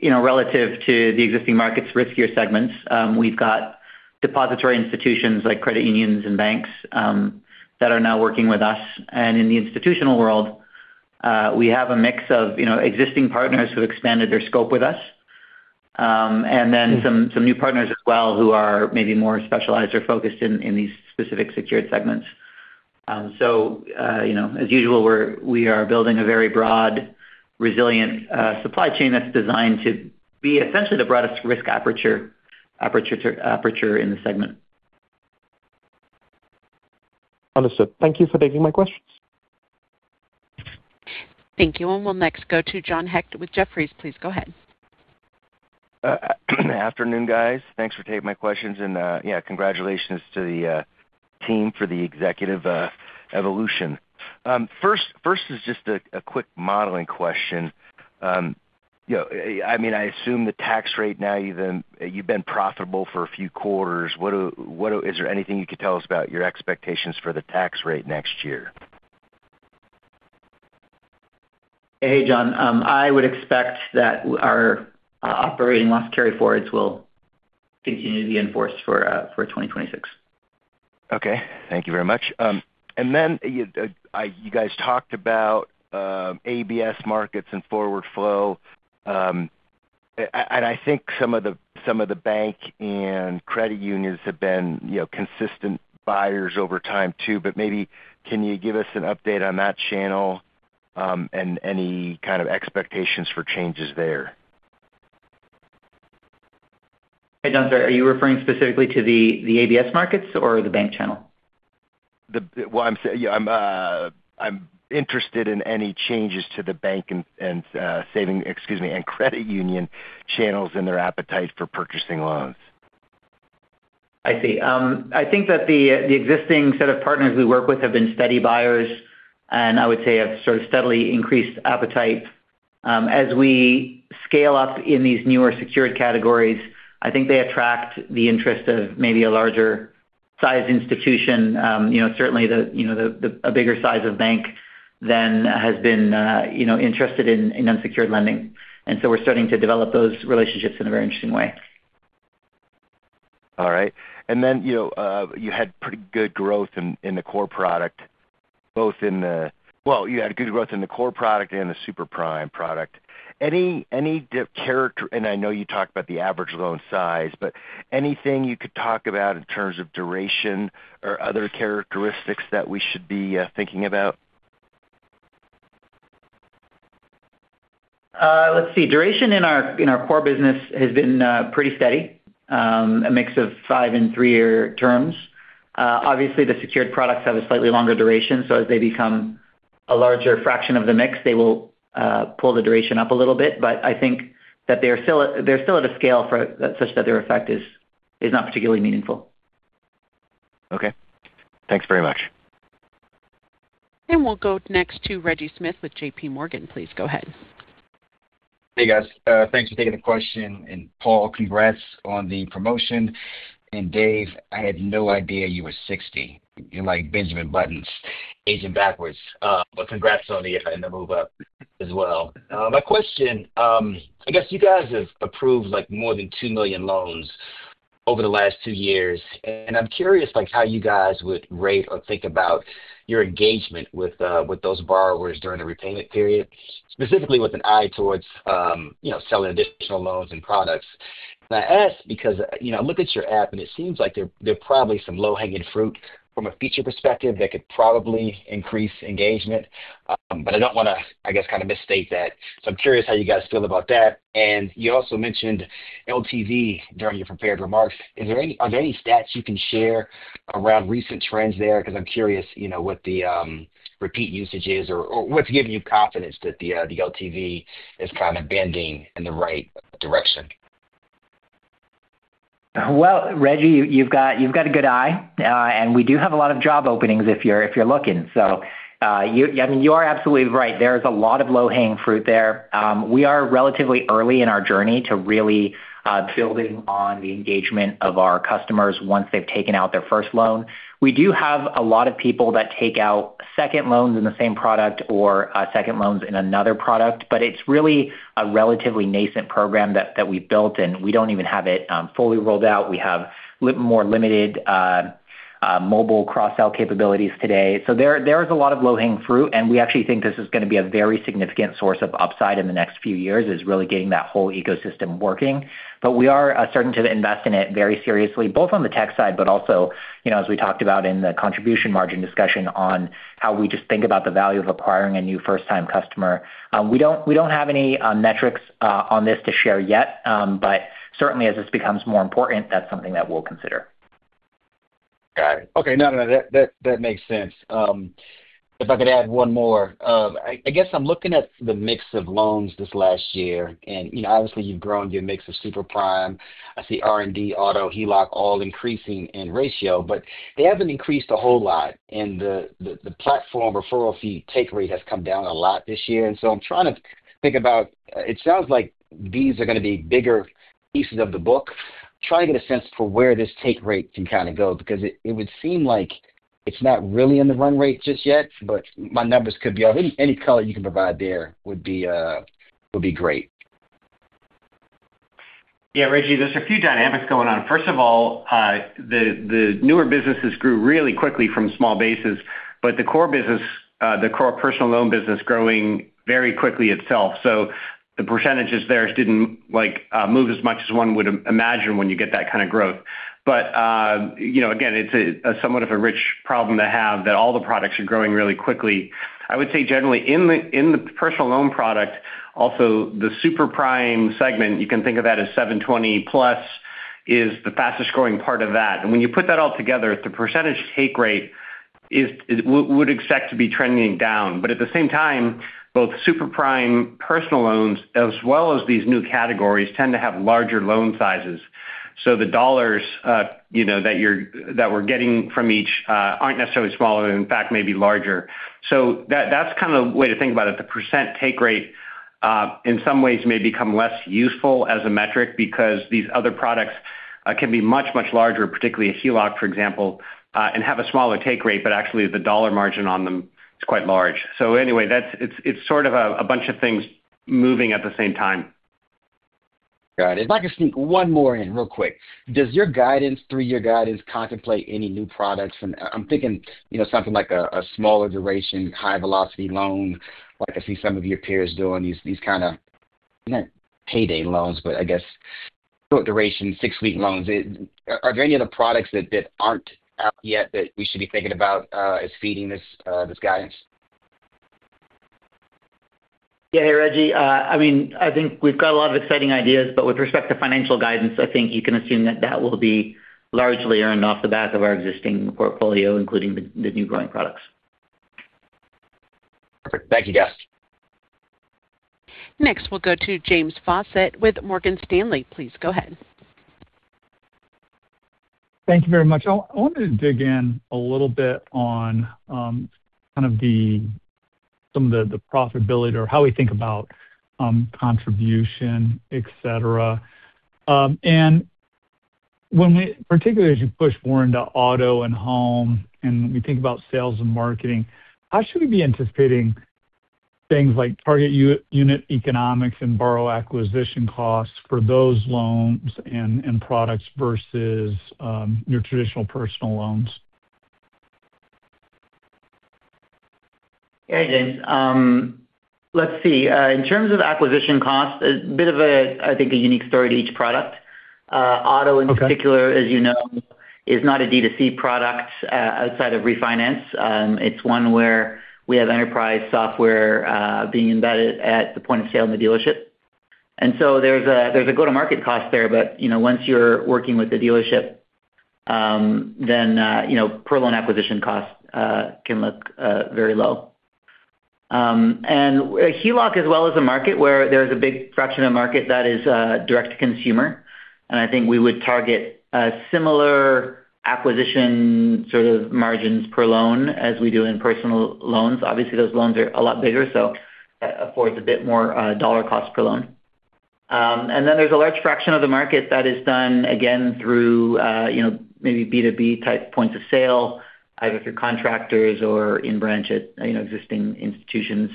relative to the existing markets, riskier segments. We've got depository institutions like credit unions and banks that are now working with us. And in the institutional world, we have a mix of existing partners who have expanded their scope with us and then some new partners as well who are maybe more specialized or focused in these specific secured segments. So as usual, we are building a very broad, resilient supply chain that's designed to be essentially the broadest risk aperture in the segment. Understood, thank you for taking my questions. Thank you. We'll next go to John Hecht with Jefferies, please go ahead. Afternoon, guys thanks for taking my questions. Yeah, congratulations to the team for the executive evolution. First is just a quick modeling question. I mean, I assume the tax rate now, you've been profitable for a few quarters. Is there anything you could tell us about your expectations for the tax rate next year? Hey, John. I would expect that our operating loss carryforwards will continue to be enforced for 2026. Okay. Thank you very much. And then you guys talked about ABS markets and forward flow. And I think some of the bank and credit unions have been consistent buyers over time too. But maybe can you give us an update on that channel and any kind of expectations for changes there? Hey, John, sorry. Are you referring specifically to the ABS markets or the bank channel? Well, yeah, I'm interested in any changes to the banks and savings, excuse me, and credit union channels and their appetite for purchasing loans. I see. I think that the existing set of partners we work with have been steady buyers and I would say have sort of steadily increased appetite. As we scale up in these newer secured categories, I think they attract the interest of maybe a larger-sized institution, certainly a bigger size of bank, then has been interested in unsecured lending. And so we're starting to develop those relationships in a very interesting way. All right. And then you had pretty good growth in the core product, both in the well, you had good growth in the core product and the superprime product. And I know you talked about the average loan size, but anything you could talk about in terms of duration or other characteristics that we should be thinking about? Let's see. Duration in our core business has been pretty steady, a mix of fiveand three year terms. Obviously, the secured products have a slightly longer duration. So as they become a larger fraction of the mix, they will pull the duration up a little bit. But I think that they're still at a scale such that their effect is not particularly meaningful. Okay thanks very much. We'll go next to Reggie Smith with J.P. Morgan, please go ahead. Hey, guys. Thanks for taking the question. And Paul, congrats on the promotion. And Dave, I had no idea you were 60. You're like Benjamin Button aging backwards. But congrats, Sanjay, in the move-up as well. My question, I guess you guys have approved more than two million loans over the last two years. And I'm curious how you guys would rate or think about your engagement with those borrowers during the repayment period, specifically with an eye towards selling additional loans and products. And I ask because I look at your app, and it seems like there's probably some low-hanging fruit from a feature perspective that could probably increase engagement. But I don't want to, I guess, kind of misstate that. So I'm curious how you guys feel about that. And you also mentioned LTV during your prepared remarks. Are there any stats you can share around recent trends there? Because I'm curious what the repeat usage is or what's giving you confidence that the LTV is kind of bending in the right direction. Well, Reggie, you've got a good eye. And we do have a lot of job openings if you're looking. So I mean, you are absolutely right. There is a lot of low-hanging fruit there. We are relatively early in our journey to really building on the engagement of our customers once they've taken out their first loan. We do have a lot of people that take out second loans in the same product or second loans in another product. But it's really a relatively nascent program that we built. And we don't even have it fully rolled out. We have more limited mobile cross-sell capabilities today. So there is a lot of low-hanging fruit. And we actually think this is going to be a very significant source of upside in the next few years, is really getting that whole ecosystem working. But we are starting to invest in it very seriously, both on the tech side, but also, as we talked about in the contribution margin discussion on how we just think about the value of acquiring a new first-time customer. We don't have any metrics on this to share yet. But certainly, as this becomes more important, that's something that we'll consider. Got it. Okay. No, no, no. That makes sense. If I could add one more, I guess I'm looking at the mix of loans this last year. And obviously, you've grown your mix of Superprime. I see refi, auto, HELOC, all increasing in ratio. But they haven't increased a whole lot. And the platform referral fee take rate has come down a lot this year. And so I'm trying to think about it sounds like these are going to be bigger pieces of the book. Trying to get a sense for where this take rate can kind of go because it would seem like it's not really in the run rate just yet. But my numbers could be off. Any color you can provide there would be great. Yeah, Reggie, there's a few dynamics going on. First of all, the newer businesses grew really quickly from small bases. But the core business, the core Personal Loan business, growing very quickly itself. So the percentages there didn't move as much as one would imagine when you get that kind of growth. But again, it's somewhat of a rich problem to have that all the products are growing really quickly. I would say generally, in the Personal Loan product, also, the superprime segment, you can think of that as 720+ is the fastest growing part of that. And when you put that all together, the percentage take rate would expect to be trending down. But at the same time, both superprime personal loans as well as these new categories tend to have larger loan sizes. So the dollars that we're getting from each aren't necessarily smaller and, in fact, maybe larger. So that's kind of the way to think about it. The percent take rate, in some ways, may become less useful as a metric because these other products can be much, much larger, particularly a HELOC, for example, and have a smaller take rate. But actually, the dollar margin on them is quite large. So anyway, it's sort of a bunch of things moving at the same time. Got it. If I could sneak one more in real quick, does your guidance, three-year guidance, contemplate any new products? And I'm thinking something like a smaller duration, high-velocity loan. I see some of your peers doing these kind of they're not payday loans, but I guess short duration, six-week loans. Are there any other products that aren't out yet that we should be thinking about as feeding this guidance? Yeah. Hey, Reggie. I mean, I think we've got a lot of exciting ideas. But with respect to financial guidance, I think you can assume that that will be largely earned off the back of our existing portfolio, including the new growing products. Perfect, thank you guys. Next, we'll go to James Faucette with Morgan Stanley, please go ahead. Thank you very much. I wanted to dig in a little bit on kind of some of the profitability or how we think about contribution, etc. Particularly as you push more into auto and home and we think about sales and marketing, how should we be anticipating things like target unit economics and borrower acquisition costs for those loans and products versus your traditional personal loans? Hey, James, let's see. In terms of acquisition costs, a bit of, I think, a unique story to each product. auto, in particular, as you know, is not a D2C product outside of refinance. It's one where we have enterprise software being embedded at the point of sale in the dealership. And so there's a go-to-market cost there. But once you're working with the dealership, then per loan acquisition cost can look very low. And HELOC, as well as a market where there is a big fraction of market that is direct to consumer. And I think we would target similar acquisition sort of margins per loan as we do in personal loans. Obviously, those loans are a lot bigger. So that affords a bit more dollar cost per loan. And then there's a large fraction of the market that is done, again, through maybe B2B-type points of sale, either through contractors or in-branch at existing institutions.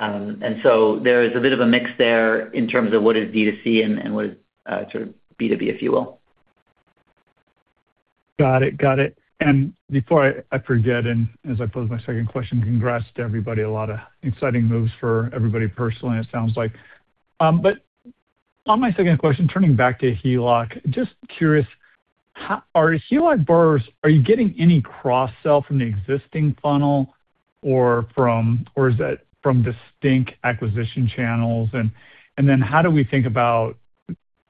And so there is a bit of a mix there in terms of what is D2C and what is sort of B2B, if you will. Got it. Got it. And before I forget, and as I pose my second question, congrats to everybody. A lot of exciting moves for everybody personally, it sounds like. But on my second question, turning back to HELOC, just curious, are HELOC borrowers, are you getting any cross-sell from the existing funnel, or is that from distinct acquisition channels? And then how do we think about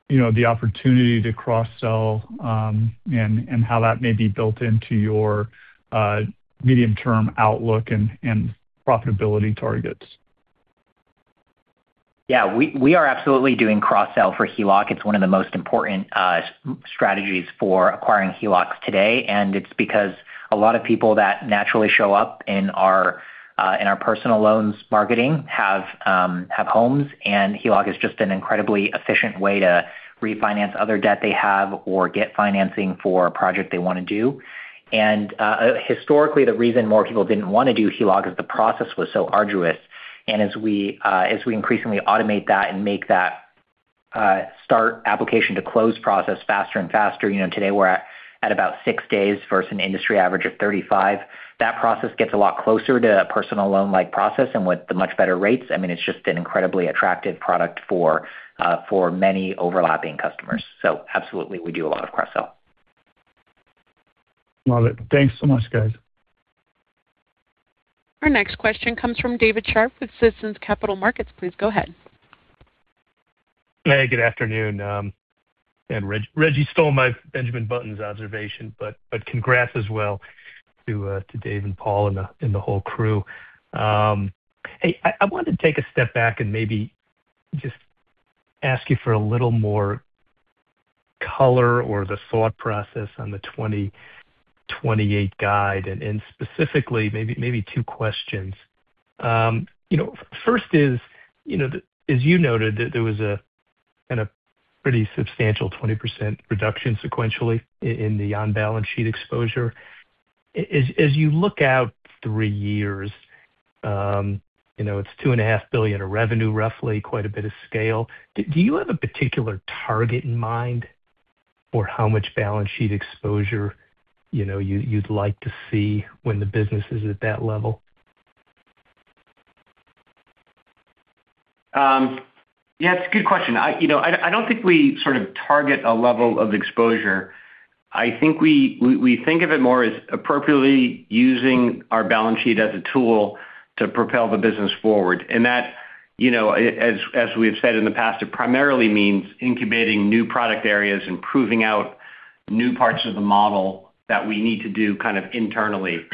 the opportunity to cross-sell and how that may be built into your medium-term outlook and profitability targets? Yeah. We are absolutely doing cross-sell for HELOC. It's one of the most important strategies for acquiring HELOCs today. And it's because a lot of people that naturally show up in our personal loans marketing have homes. And HELOC is just an incredibly efficient way to refinance other debt they have or get financing for a project they want to do. And historically, the reason more people didn't want to do HELOC is the process was so arduous. And as we increasingly automate that and make that start application to close process faster and faster, today we're at about six days versus an industry average of 35. That process gets a lot closer to a personal loan-like process and with the much better rates. I mean, it's just an incredibly attractive product for many overlapping customers. So absolutely, we do a lot of cross-sell. Love it. Thanks so much, guys. Our next question comes from David Scharf with Citizens Capital Markets, please go ahead. Hey, good afternoon. Reggie stole my Benjamin Buttons observation. But congrats as well to Dave and Paul and the whole crew. Hey, I wanted to take a step back and maybe just ask you for a little more color on the thought process on the 2028 guide. And specifically, maybe two questions. First is, as you noted, there was kind of pretty substantial 20% reduction sequentially in the on-balance sheet exposure. As you look out three years, it's $2.5 billion of revenue, roughly, quite a bit of scale. Do you have a particular target in mind for how much balance sheet exposure you'd like to see when the business is at that level? Yeah, it's a good question. I don't think we sort of target a level of exposure. I think we think of it more as appropriately using our balance sheet as a tool to propel the business forward. And that, as we have said in the past, it primarily means incubating new product areas and proving out new parts of the model that we need to do kind of internally.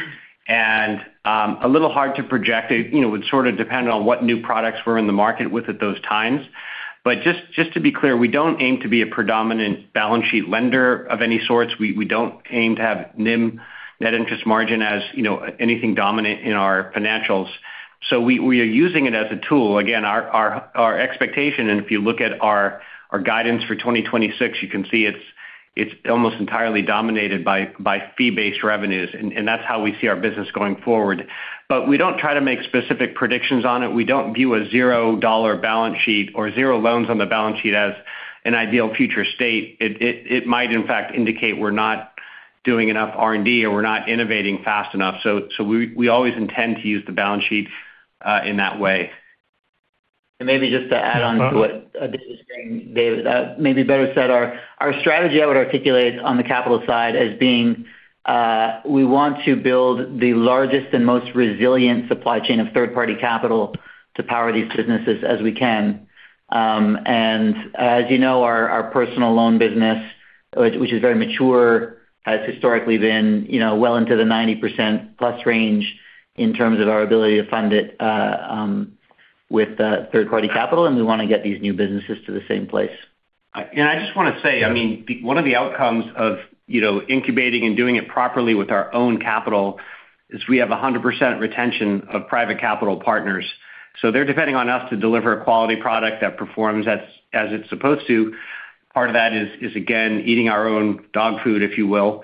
And a little hard to project. It would sort of depend on what new products were in the market with at those times. But just to be clear, we don't aim to be a predominant balance sheet lender of any sorts. We don't aim to have NIM, net interest margin, as anything dominant in our financials. So we are using it as a tool. Again, our expectation, and if you look at our guidance for 2026, you can see it's almost entirely dominated by fee-based revenues. And that's how we see our business going forward. But we don't try to make specific predictions on it. We don't view a zero-dollar balance sheet or zero loans on the balance sheet as an ideal future state. It might, in fact, indicate we're not doing enough R&D or we're not innovating fast enough. So we always intend to use the balance sheet in that way. Maybe just to add on to what Dave was saying, maybe better said, our strategy, I would articulate on the capital side as being we want to build the largest and most resilient supply chain of third-party capital to power these businesses as we can. As you know, our Personal Loan business, which is very mature, has historically been well into the 90%+ range in terms of our ability to fund it with third-party capital. We want to get these new businesses to the same place. I just want to say, I mean, one of the outcomes of incubating and doing it properly with our own capital is we have 100% retention of private capital partners. They're depending on us to deliver a quality product that performs as it's supposed to. Part of that is, again, eating our own dog food, if you will,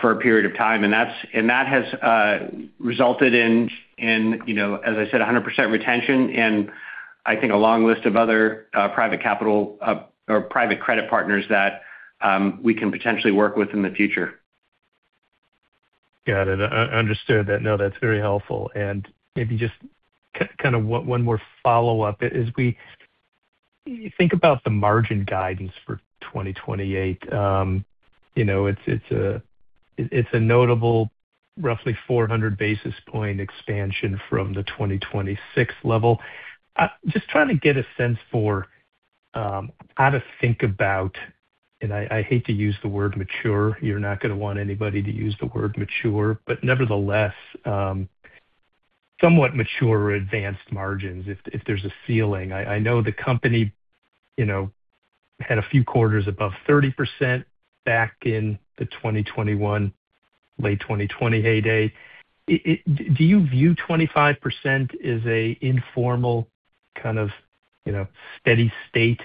for a period of time. That has resulted in, as I said, 100% retention and, I think, a long list of other private capital or private credit partners that we can potentially work with in the future. Got it. Understood that. No, that's very helpful. And maybe just kind of one more follow-up. As we think about the margin guidance for 2028, it's a notable, roughly 400 basis point expansion from the 2026 level. Just trying to get a sense for how to think about and I hate to use the word mature. You're not going to want anybody to use the word mature. But nevertheless, somewhat mature or advanced margins if there's a ceiling. I know the company had a few quarters above 30% back in the 2021, late 2020 heyday. Do you view 25% as an informal kind of steady-state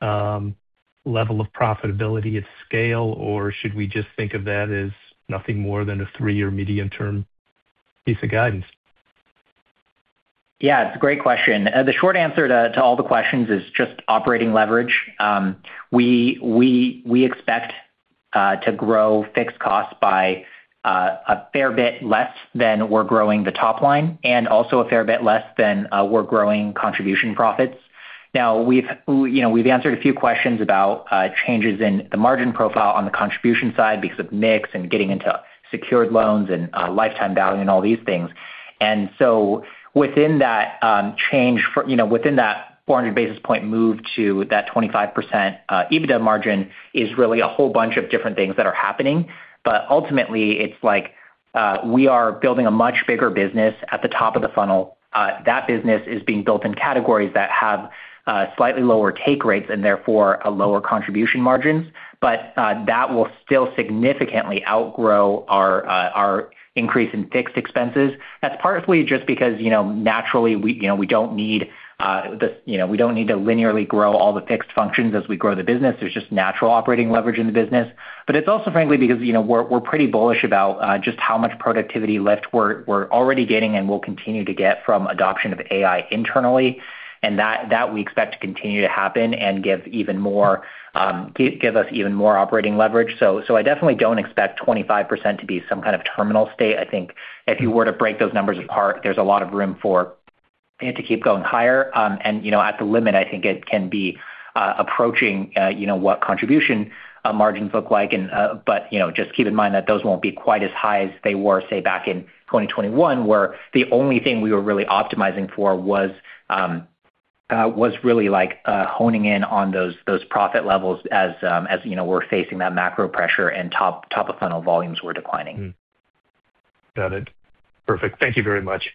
level of profitability at scale? Or should we just think of that as nothing more than a three-year medium-term piece of guidance? Yeah. It's a great question. The short answer to all the questions is just operating leverage. We expect to grow fixed costs by a fair bit less than we're growing the top line and also a fair bit less than we're growing contribution profits. Now, we've answered a few questions about changes in the margin profile on the contribution side because of mix and getting into secured loans and lifetime value and all these things. And so within that change, within that 400 basis points move to that 25% EBITDA margin is really a whole bunch of different things that are happening. But ultimately, it's like we are building a much bigger business at the top of the funnel. That business is being built in categories that have slightly lower take rates and, therefore, lower contribution margins. But that will still significantly outgrow our increase in fixed expenses. That's partly just because, naturally, we don't need to linearly grow all the fixed functions as we grow the business. There's just natural operating leverage in the business. But it's also, frankly, because we're pretty bullish about just how much productivity left we're already getting and will continue to get from adoption of AI internally. And that we expect to continue to happen and give us even more operating leverage. So I definitely don't expect 25% to be some kind of terminal state. I think if you were to break those numbers apart, there's a lot of room for it to keep going higher. And at the limit, I think it can be approaching what contribution margins look like. But just keep in mind that those won't be quite as high as they were, say, back in 2021, where the only thing we were really optimizing for was really honing in on those profit levels as we're facing that macro pressure and top-of-funnel volumes were declining. Got it, perfect, thank you very much.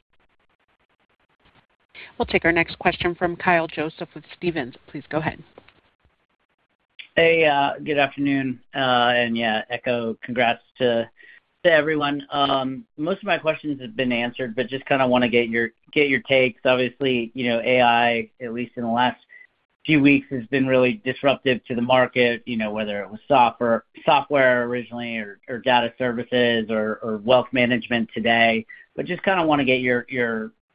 We'll take our next question from Kyle Joseph with Stephens, please go ahead. Hey. Good afternoon. And yeah, echo. Congrats to everyone. Most of my questions have been answered. But just kind of want to get your takes. Obviously, AI, at least in the last few weeks, has been really disruptive to the market, whether it was software originally or data services or wealth management today. But just kind of want to get your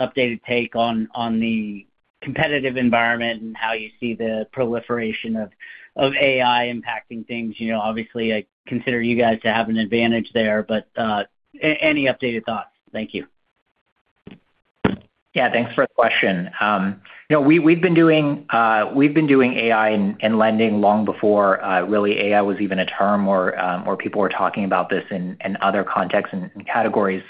updated take on the competitive environment and how you see the proliferation of AI impacting things. Obviously, I consider you guys to have an advantage there. But any updated thoughts? Thank you. Yeah. Thanks for the question. We've been doing AI and lending long before really AI was even a term or people were talking about this in other contexts and categories.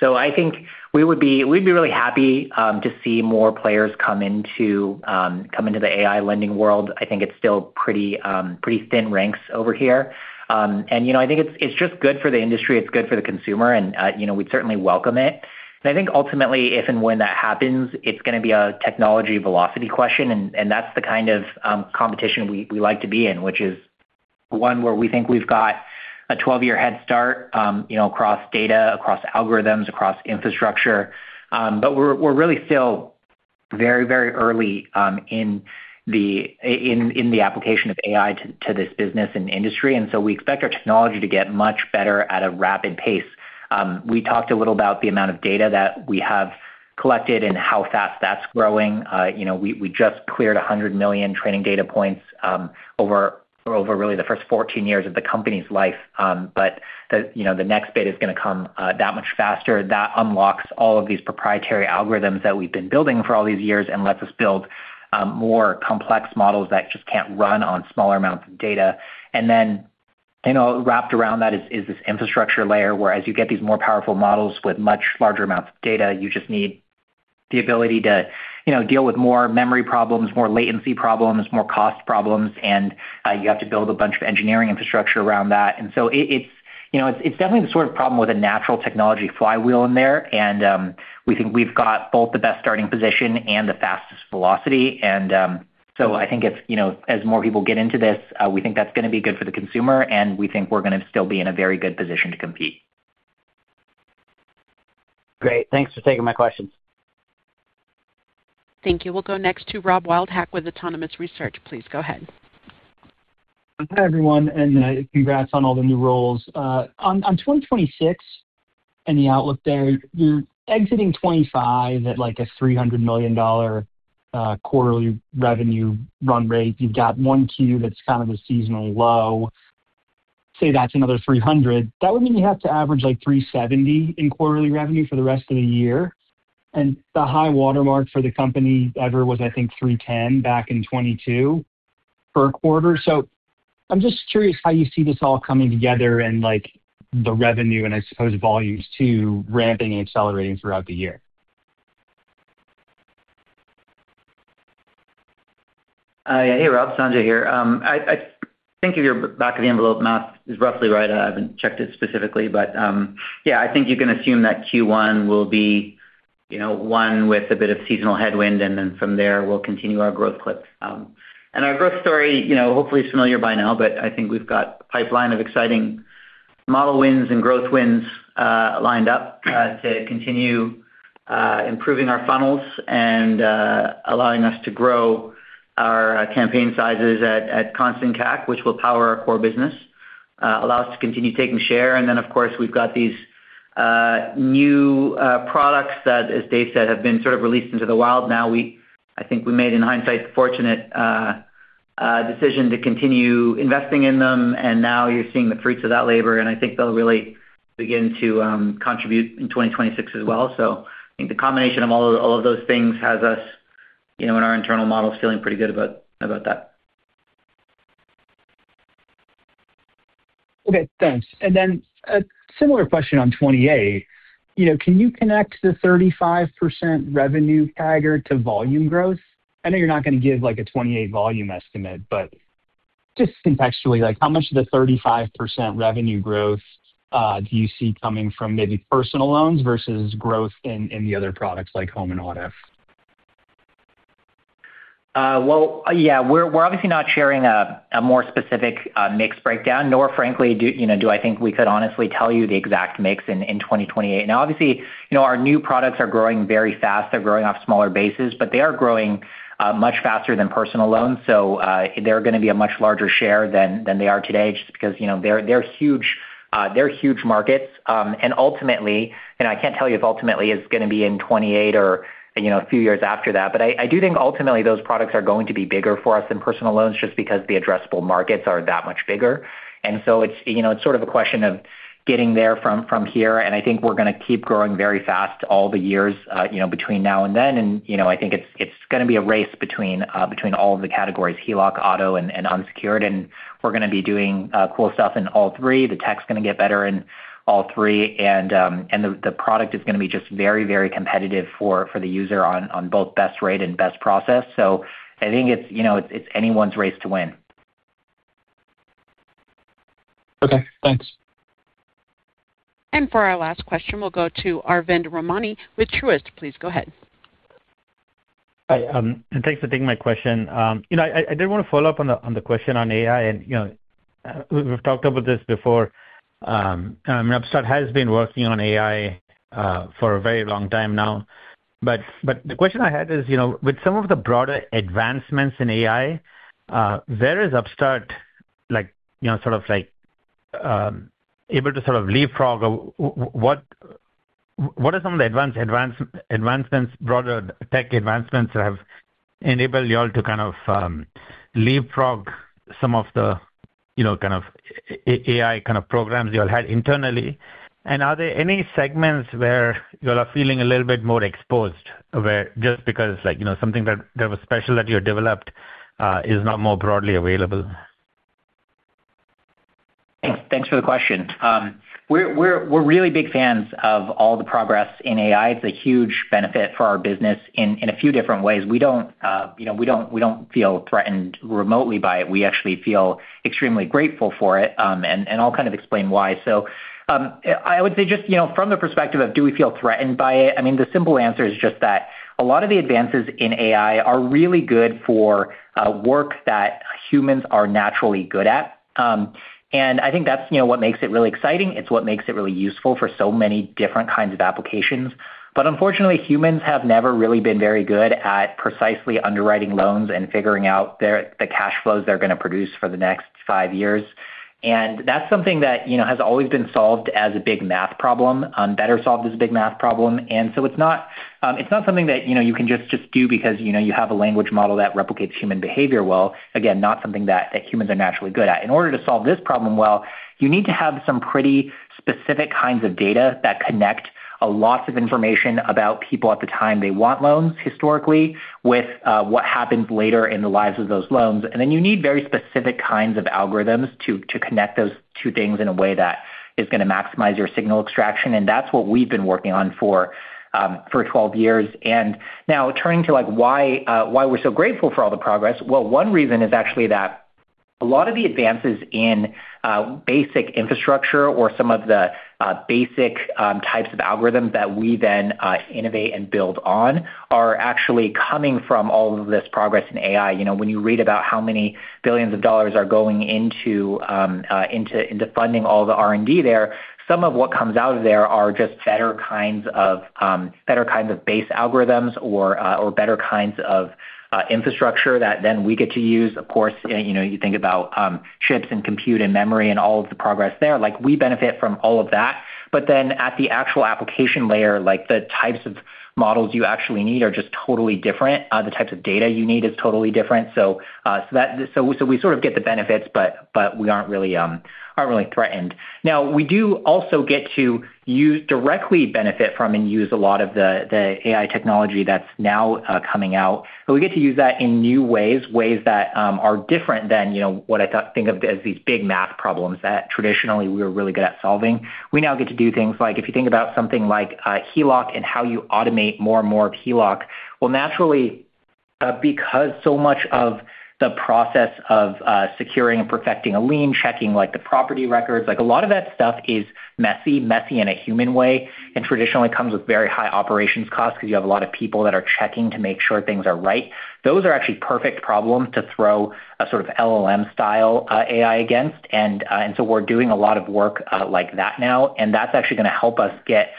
So I think we would be really happy to see more players come into the AI lending world. I think it's still pretty thin ranks over here. And I think it's just good for the industry. It's good for the consumer. And we'd certainly welcome it. And I think, ultimately, if and when that happens, it's going to be a technology velocity question. And that's the kind of competition we like to be in, which is one where we think we've got a 12-year head start across data, across algorithms, across infrastructure. But we're really still very, very early in the application of AI to this business and industry. We expect our technology to get much better at a rapid pace. We talked a little about the amount of data that we have collected and how fast that's growing. We just cleared 100 million training data points over really the first 14 years of the company's life. The next bit is going to come that much faster. That unlocks all of these proprietary algorithms that we've been building for all these years and lets us build more complex models that just can't run on smaller amounts of data. Wrapped around that is this infrastructure layer where, as you get these more powerful models with much larger amounts of data, you just need the ability to deal with more memory problems, more latency problems, more cost problems. You have to build a bunch of engineering infrastructure around that. It's definitely the sort of problem with a natural technology flywheel in there. We think we've got both the best starting position and the fastest velocity. I think, as more people get into this, we think that's going to be good for the consumer. We think we're going to still be in a very good position to compete. Great thanks for taking my questions. Thank you. We'll go next to Rob Wildhack with Autonomous Research, please go ahead. Hi, everyone. Congrats on all the new roles. On 2026 and the outlook there, you're exiting 2025 at a $300 million quarterly revenue run rate. You've got one Q that's kind of a seasonally low. Say that's another $300 million. That would mean you have to average $370 million in quarterly revenue for the rest of the year. The high watermark for the company ever was, I think, $310 million back in 2022 per quarter. I'm just curious how you see this all coming together and the revenue and, I suppose, volumes too ramping and accelerating throughout the year. Yeah, Hey, Rob Sanjay here. I think your back-of-the-envelope math is roughly right. I haven't checked it specifically. But yeah, I think you can assume that Q1 will be one with a bit of seasonal headwind. And then from there, we'll continue our growth clip. And our growth story, hopefully, is familiar by now. But I think we've got a pipeline of exciting model wins and growth wins lined up to continue improving our funnels and allowing us to grow our campaign sizes at constant CAC, which will power our core business, allow us to continue taking share. And then, of course, we've got these new products that, as Dave said, have been sort of released into the wild now. I think we made, in hindsight, a fortunate decision to continue investing in them. And now you're seeing the fruits of that labor. I think they'll really begin to contribute in 2026 as well. I think the combination of all of those things has us and our internal models feeling pretty good about that. Okay, thanks. And then a similar question on 2028. Can you connect the 35% revenue target to volume growth? I know you're not going to give a 2028 volume estimate. But just contextually, how much of the 35% revenue growth do you see coming from maybe personal loans versus growth in the other products like home and auto? Well, yeah. We're obviously not sharing a more specific mix breakdown. Nor, frankly, do I think we could honestly tell you the exact mix in 2028. Now, obviously, our new products are growing very fast. They're growing off smaller bases. But they are growing much faster than personal loans. So they're going to be a much larger share than they are today just because they're huge markets. And ultimately, and I can't tell you if ultimately it's going to be in 2028 or a few years after that. But I do think, ultimately, those products are going to be bigger for us than personal loans just because the addressable markets are that much bigger. And so it's sort of a question of getting there from here. And I think we're going to keep growing very fast all the years between now and then. I think it's going to be a race between all of the categories, HELOC, auto, and unsecured. We're going to be doing cool stuff in all three. The tech's going to get better in all three. The product is going to be just very, very competitive for the user on both best rate and best process. I think it's anyone's race to win. Okay, thanks. For our last question, we'll go to Arvind Ramnani with Truist, please go ahead. Hi. Thanks for taking my question. I did want to follow up on the question on AI. We've talked about this before. I mean, Upstart has been working on AI for a very long time now. The question I had is, with some of the broader advancements in AI, where is Upstart sort of able to sort of leapfrog? What are some of the broader tech advancements that have enabled y'all to kind of leapfrog some of the kind of AI kind of programs you all had internally? Are there any segments where you all are feeling a little bit more exposed just because something that was special that you developed is now more broadly available? Thanks for the question. We're really big fans of all the progress in AI. It's a huge benefit for our business in a few different ways. We don't feel threatened remotely by it. We actually feel extremely grateful for it. And I'll kind of explain why. So I would say just from the perspective of, do we feel threatened by it? I mean, the simple answer is just that a lot of the advances in AI are really good for work that humans are naturally good at. And I think that's what makes it really exciting. It's what makes it really useful for so many different kinds of applications. But unfortunately, humans have never really been very good at precisely underwriting loans and figuring out the cash flows they're going to produce for the next five years. That's something that has always been solved as a big math problem, better solved as a big math problem. So it's not something that you can just do because you have a language model that replicates human behavior well. Again, not something that humans are naturally good at. In order to solve this problem well, you need to have some pretty specific kinds of data that connect lots of information about people at the time they want loans historically with what happens later in the lives of those loans. And then you need very specific kinds of algorithms to connect those two things in a way that is going to maximize your signal extraction. And that's what we've been working on for 12 years. Now turning to why we're so grateful for all the progress, well, one reason is actually that a lot of the advances in basic infrastructure or some of the basic types of algorithms that we then innovate and build on are actually coming from all of this progress in AI. When you read about how many billions of dollars are going into funding all the R&D there, some of what comes out of there are just better kinds of base algorithms or better kinds of infrastructure that then we get to use. Of course, you think about chips and compute and memory and all of the progress there. We benefit from all of that. But then at the actual application layer, the types of models you actually need are just totally different. The types of data you need is totally different. So we sort of get the benefits. But we aren't really threatened. Now, we do also get to directly benefit from and use a lot of the AI technology that's now coming out. But we get to use that in new ways, ways that are different than what I think of as these big math problems that traditionally we were really good at solving. We now get to do things like, if you think about something like HELOC and how you automate more and more of HELOC, well, naturally, because so much of the process of securing and perfecting a lien, checking the property records, a lot of that stuff is messy, messy in a human way, and traditionally comes with very high operations costs because you have a lot of people that are checking to make sure things are right, those are actually perfect problems to throw a sort of LLM-style AI against. And so we're doing a lot of work like that now. And that's actually going to help us get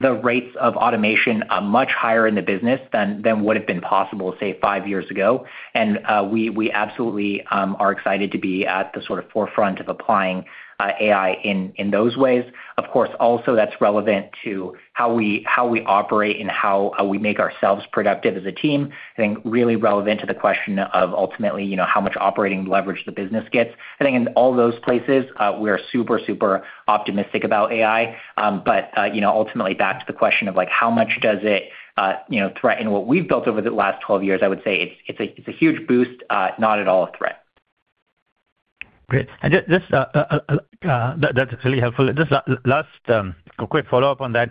the rates of automation much higher in the business than what had been possible, say, five years ago. And we absolutely are excited to be at the sort of forefront of applying AI in those ways. Of course, also, that's relevant to how we operate and how we make ourselves productive as a team. I think really relevant to the question of, ultimately, how much operating leverage the business gets. I think, in all those places, we are super, super optimistic about AI. But ultimately, back to the question of how much does it threaten what we've built over the last 12 years, I would say it's a huge boost, not at all a threat. Great. And that's really helpful. Just last quick follow-up on that.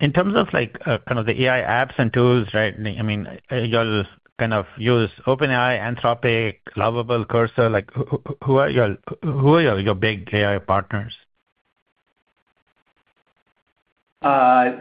In terms of kind of the AI apps and tools, right? I mean, you all kind of use OpenAI, Anthropic, Lovable, Cursor. Who are your big AI partners? I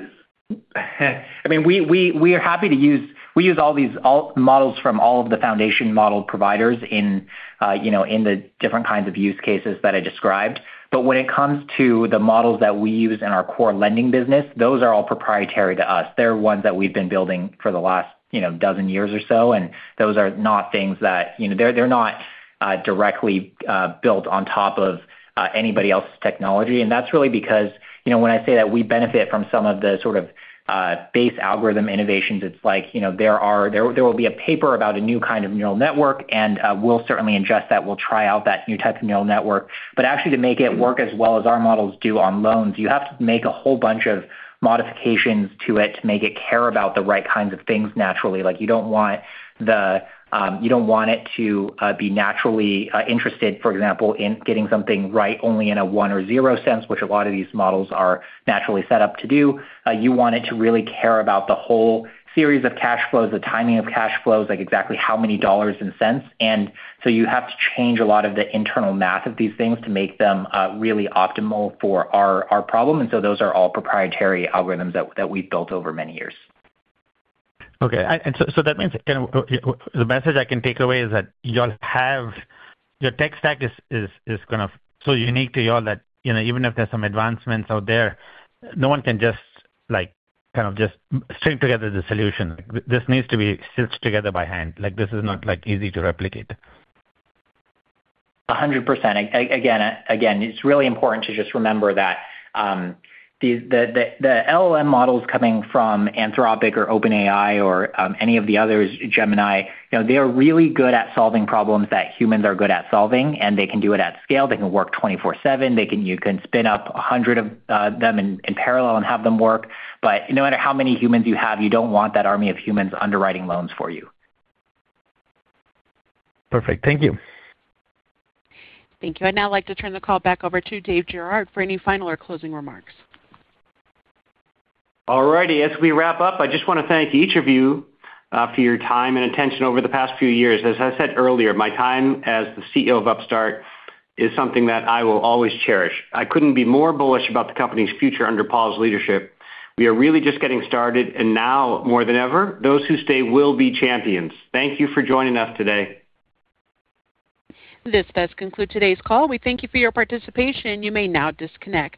mean, we are happy to use we use all models from all of the foundation model providers in the different kinds of use cases that I described. But when it comes to the models that we use in our core lending business, those are all proprietary to us. They're ones that we've been building for the last dozen years or so. And those are not things that they're not directly built on top of anybody else's technology. And that's really because when I say that we benefit from some of the sort of base algorithm innovations, it's like there will be a paper about a new kind of neural network. And we'll certainly ingest that. We'll try out that new type of neural network. But actually, to make it work as well as our models do on loans, you have to make a whole bunch of modifications to it to make it care about the right kinds of things naturally. You don't want it to be naturally interested, for example, in getting something right only in a 1 or 0 sense, which a lot of these models are naturally set up to do. You want it to really care about the whole series of cash flows, the timing of cash flows, exactly how many dollars and cents. And so you have to change a lot of the internal math of these things to make them really optimal for our problem. And so those are all proprietary algorithms that we've built over many years. Okay. That means kind of the message I can take away is that you all have your tech stack is kind of so unique to y'all that even if there's some advancements out there, no one can just kind of just string together the solution. This needs to be stitched together by hand. This is not easy to replicate. 100%. Again, it's really important to just remember that the LLM models coming from Anthropic or OpenAI or any of the others, Gemini, they are really good at solving problems that humans are good at solving. And they can do it at scale. They can work 24/7. You can spin up 100 of them in parallel and have them work. But no matter how many humans you have, you don't want that army of humans underwriting loans for you. Perfect. Thank you. Thank you. I'd now like to turn the call back over to Dave Girouard for any final or closing remarks. All righty. As we wrap up, I just want to thank each of you for your time and attention over the past few years. As I said earlier, my time as the CEO of Upstart is something that I will always cherish. I couldn't be more bullish about the company's future under Paul's leadership. We are really just getting started. And now, more than ever, those who stay will be champions. Thank you for joining us today. This does conclude today's call. We thank you for your participation. You may now disconnect.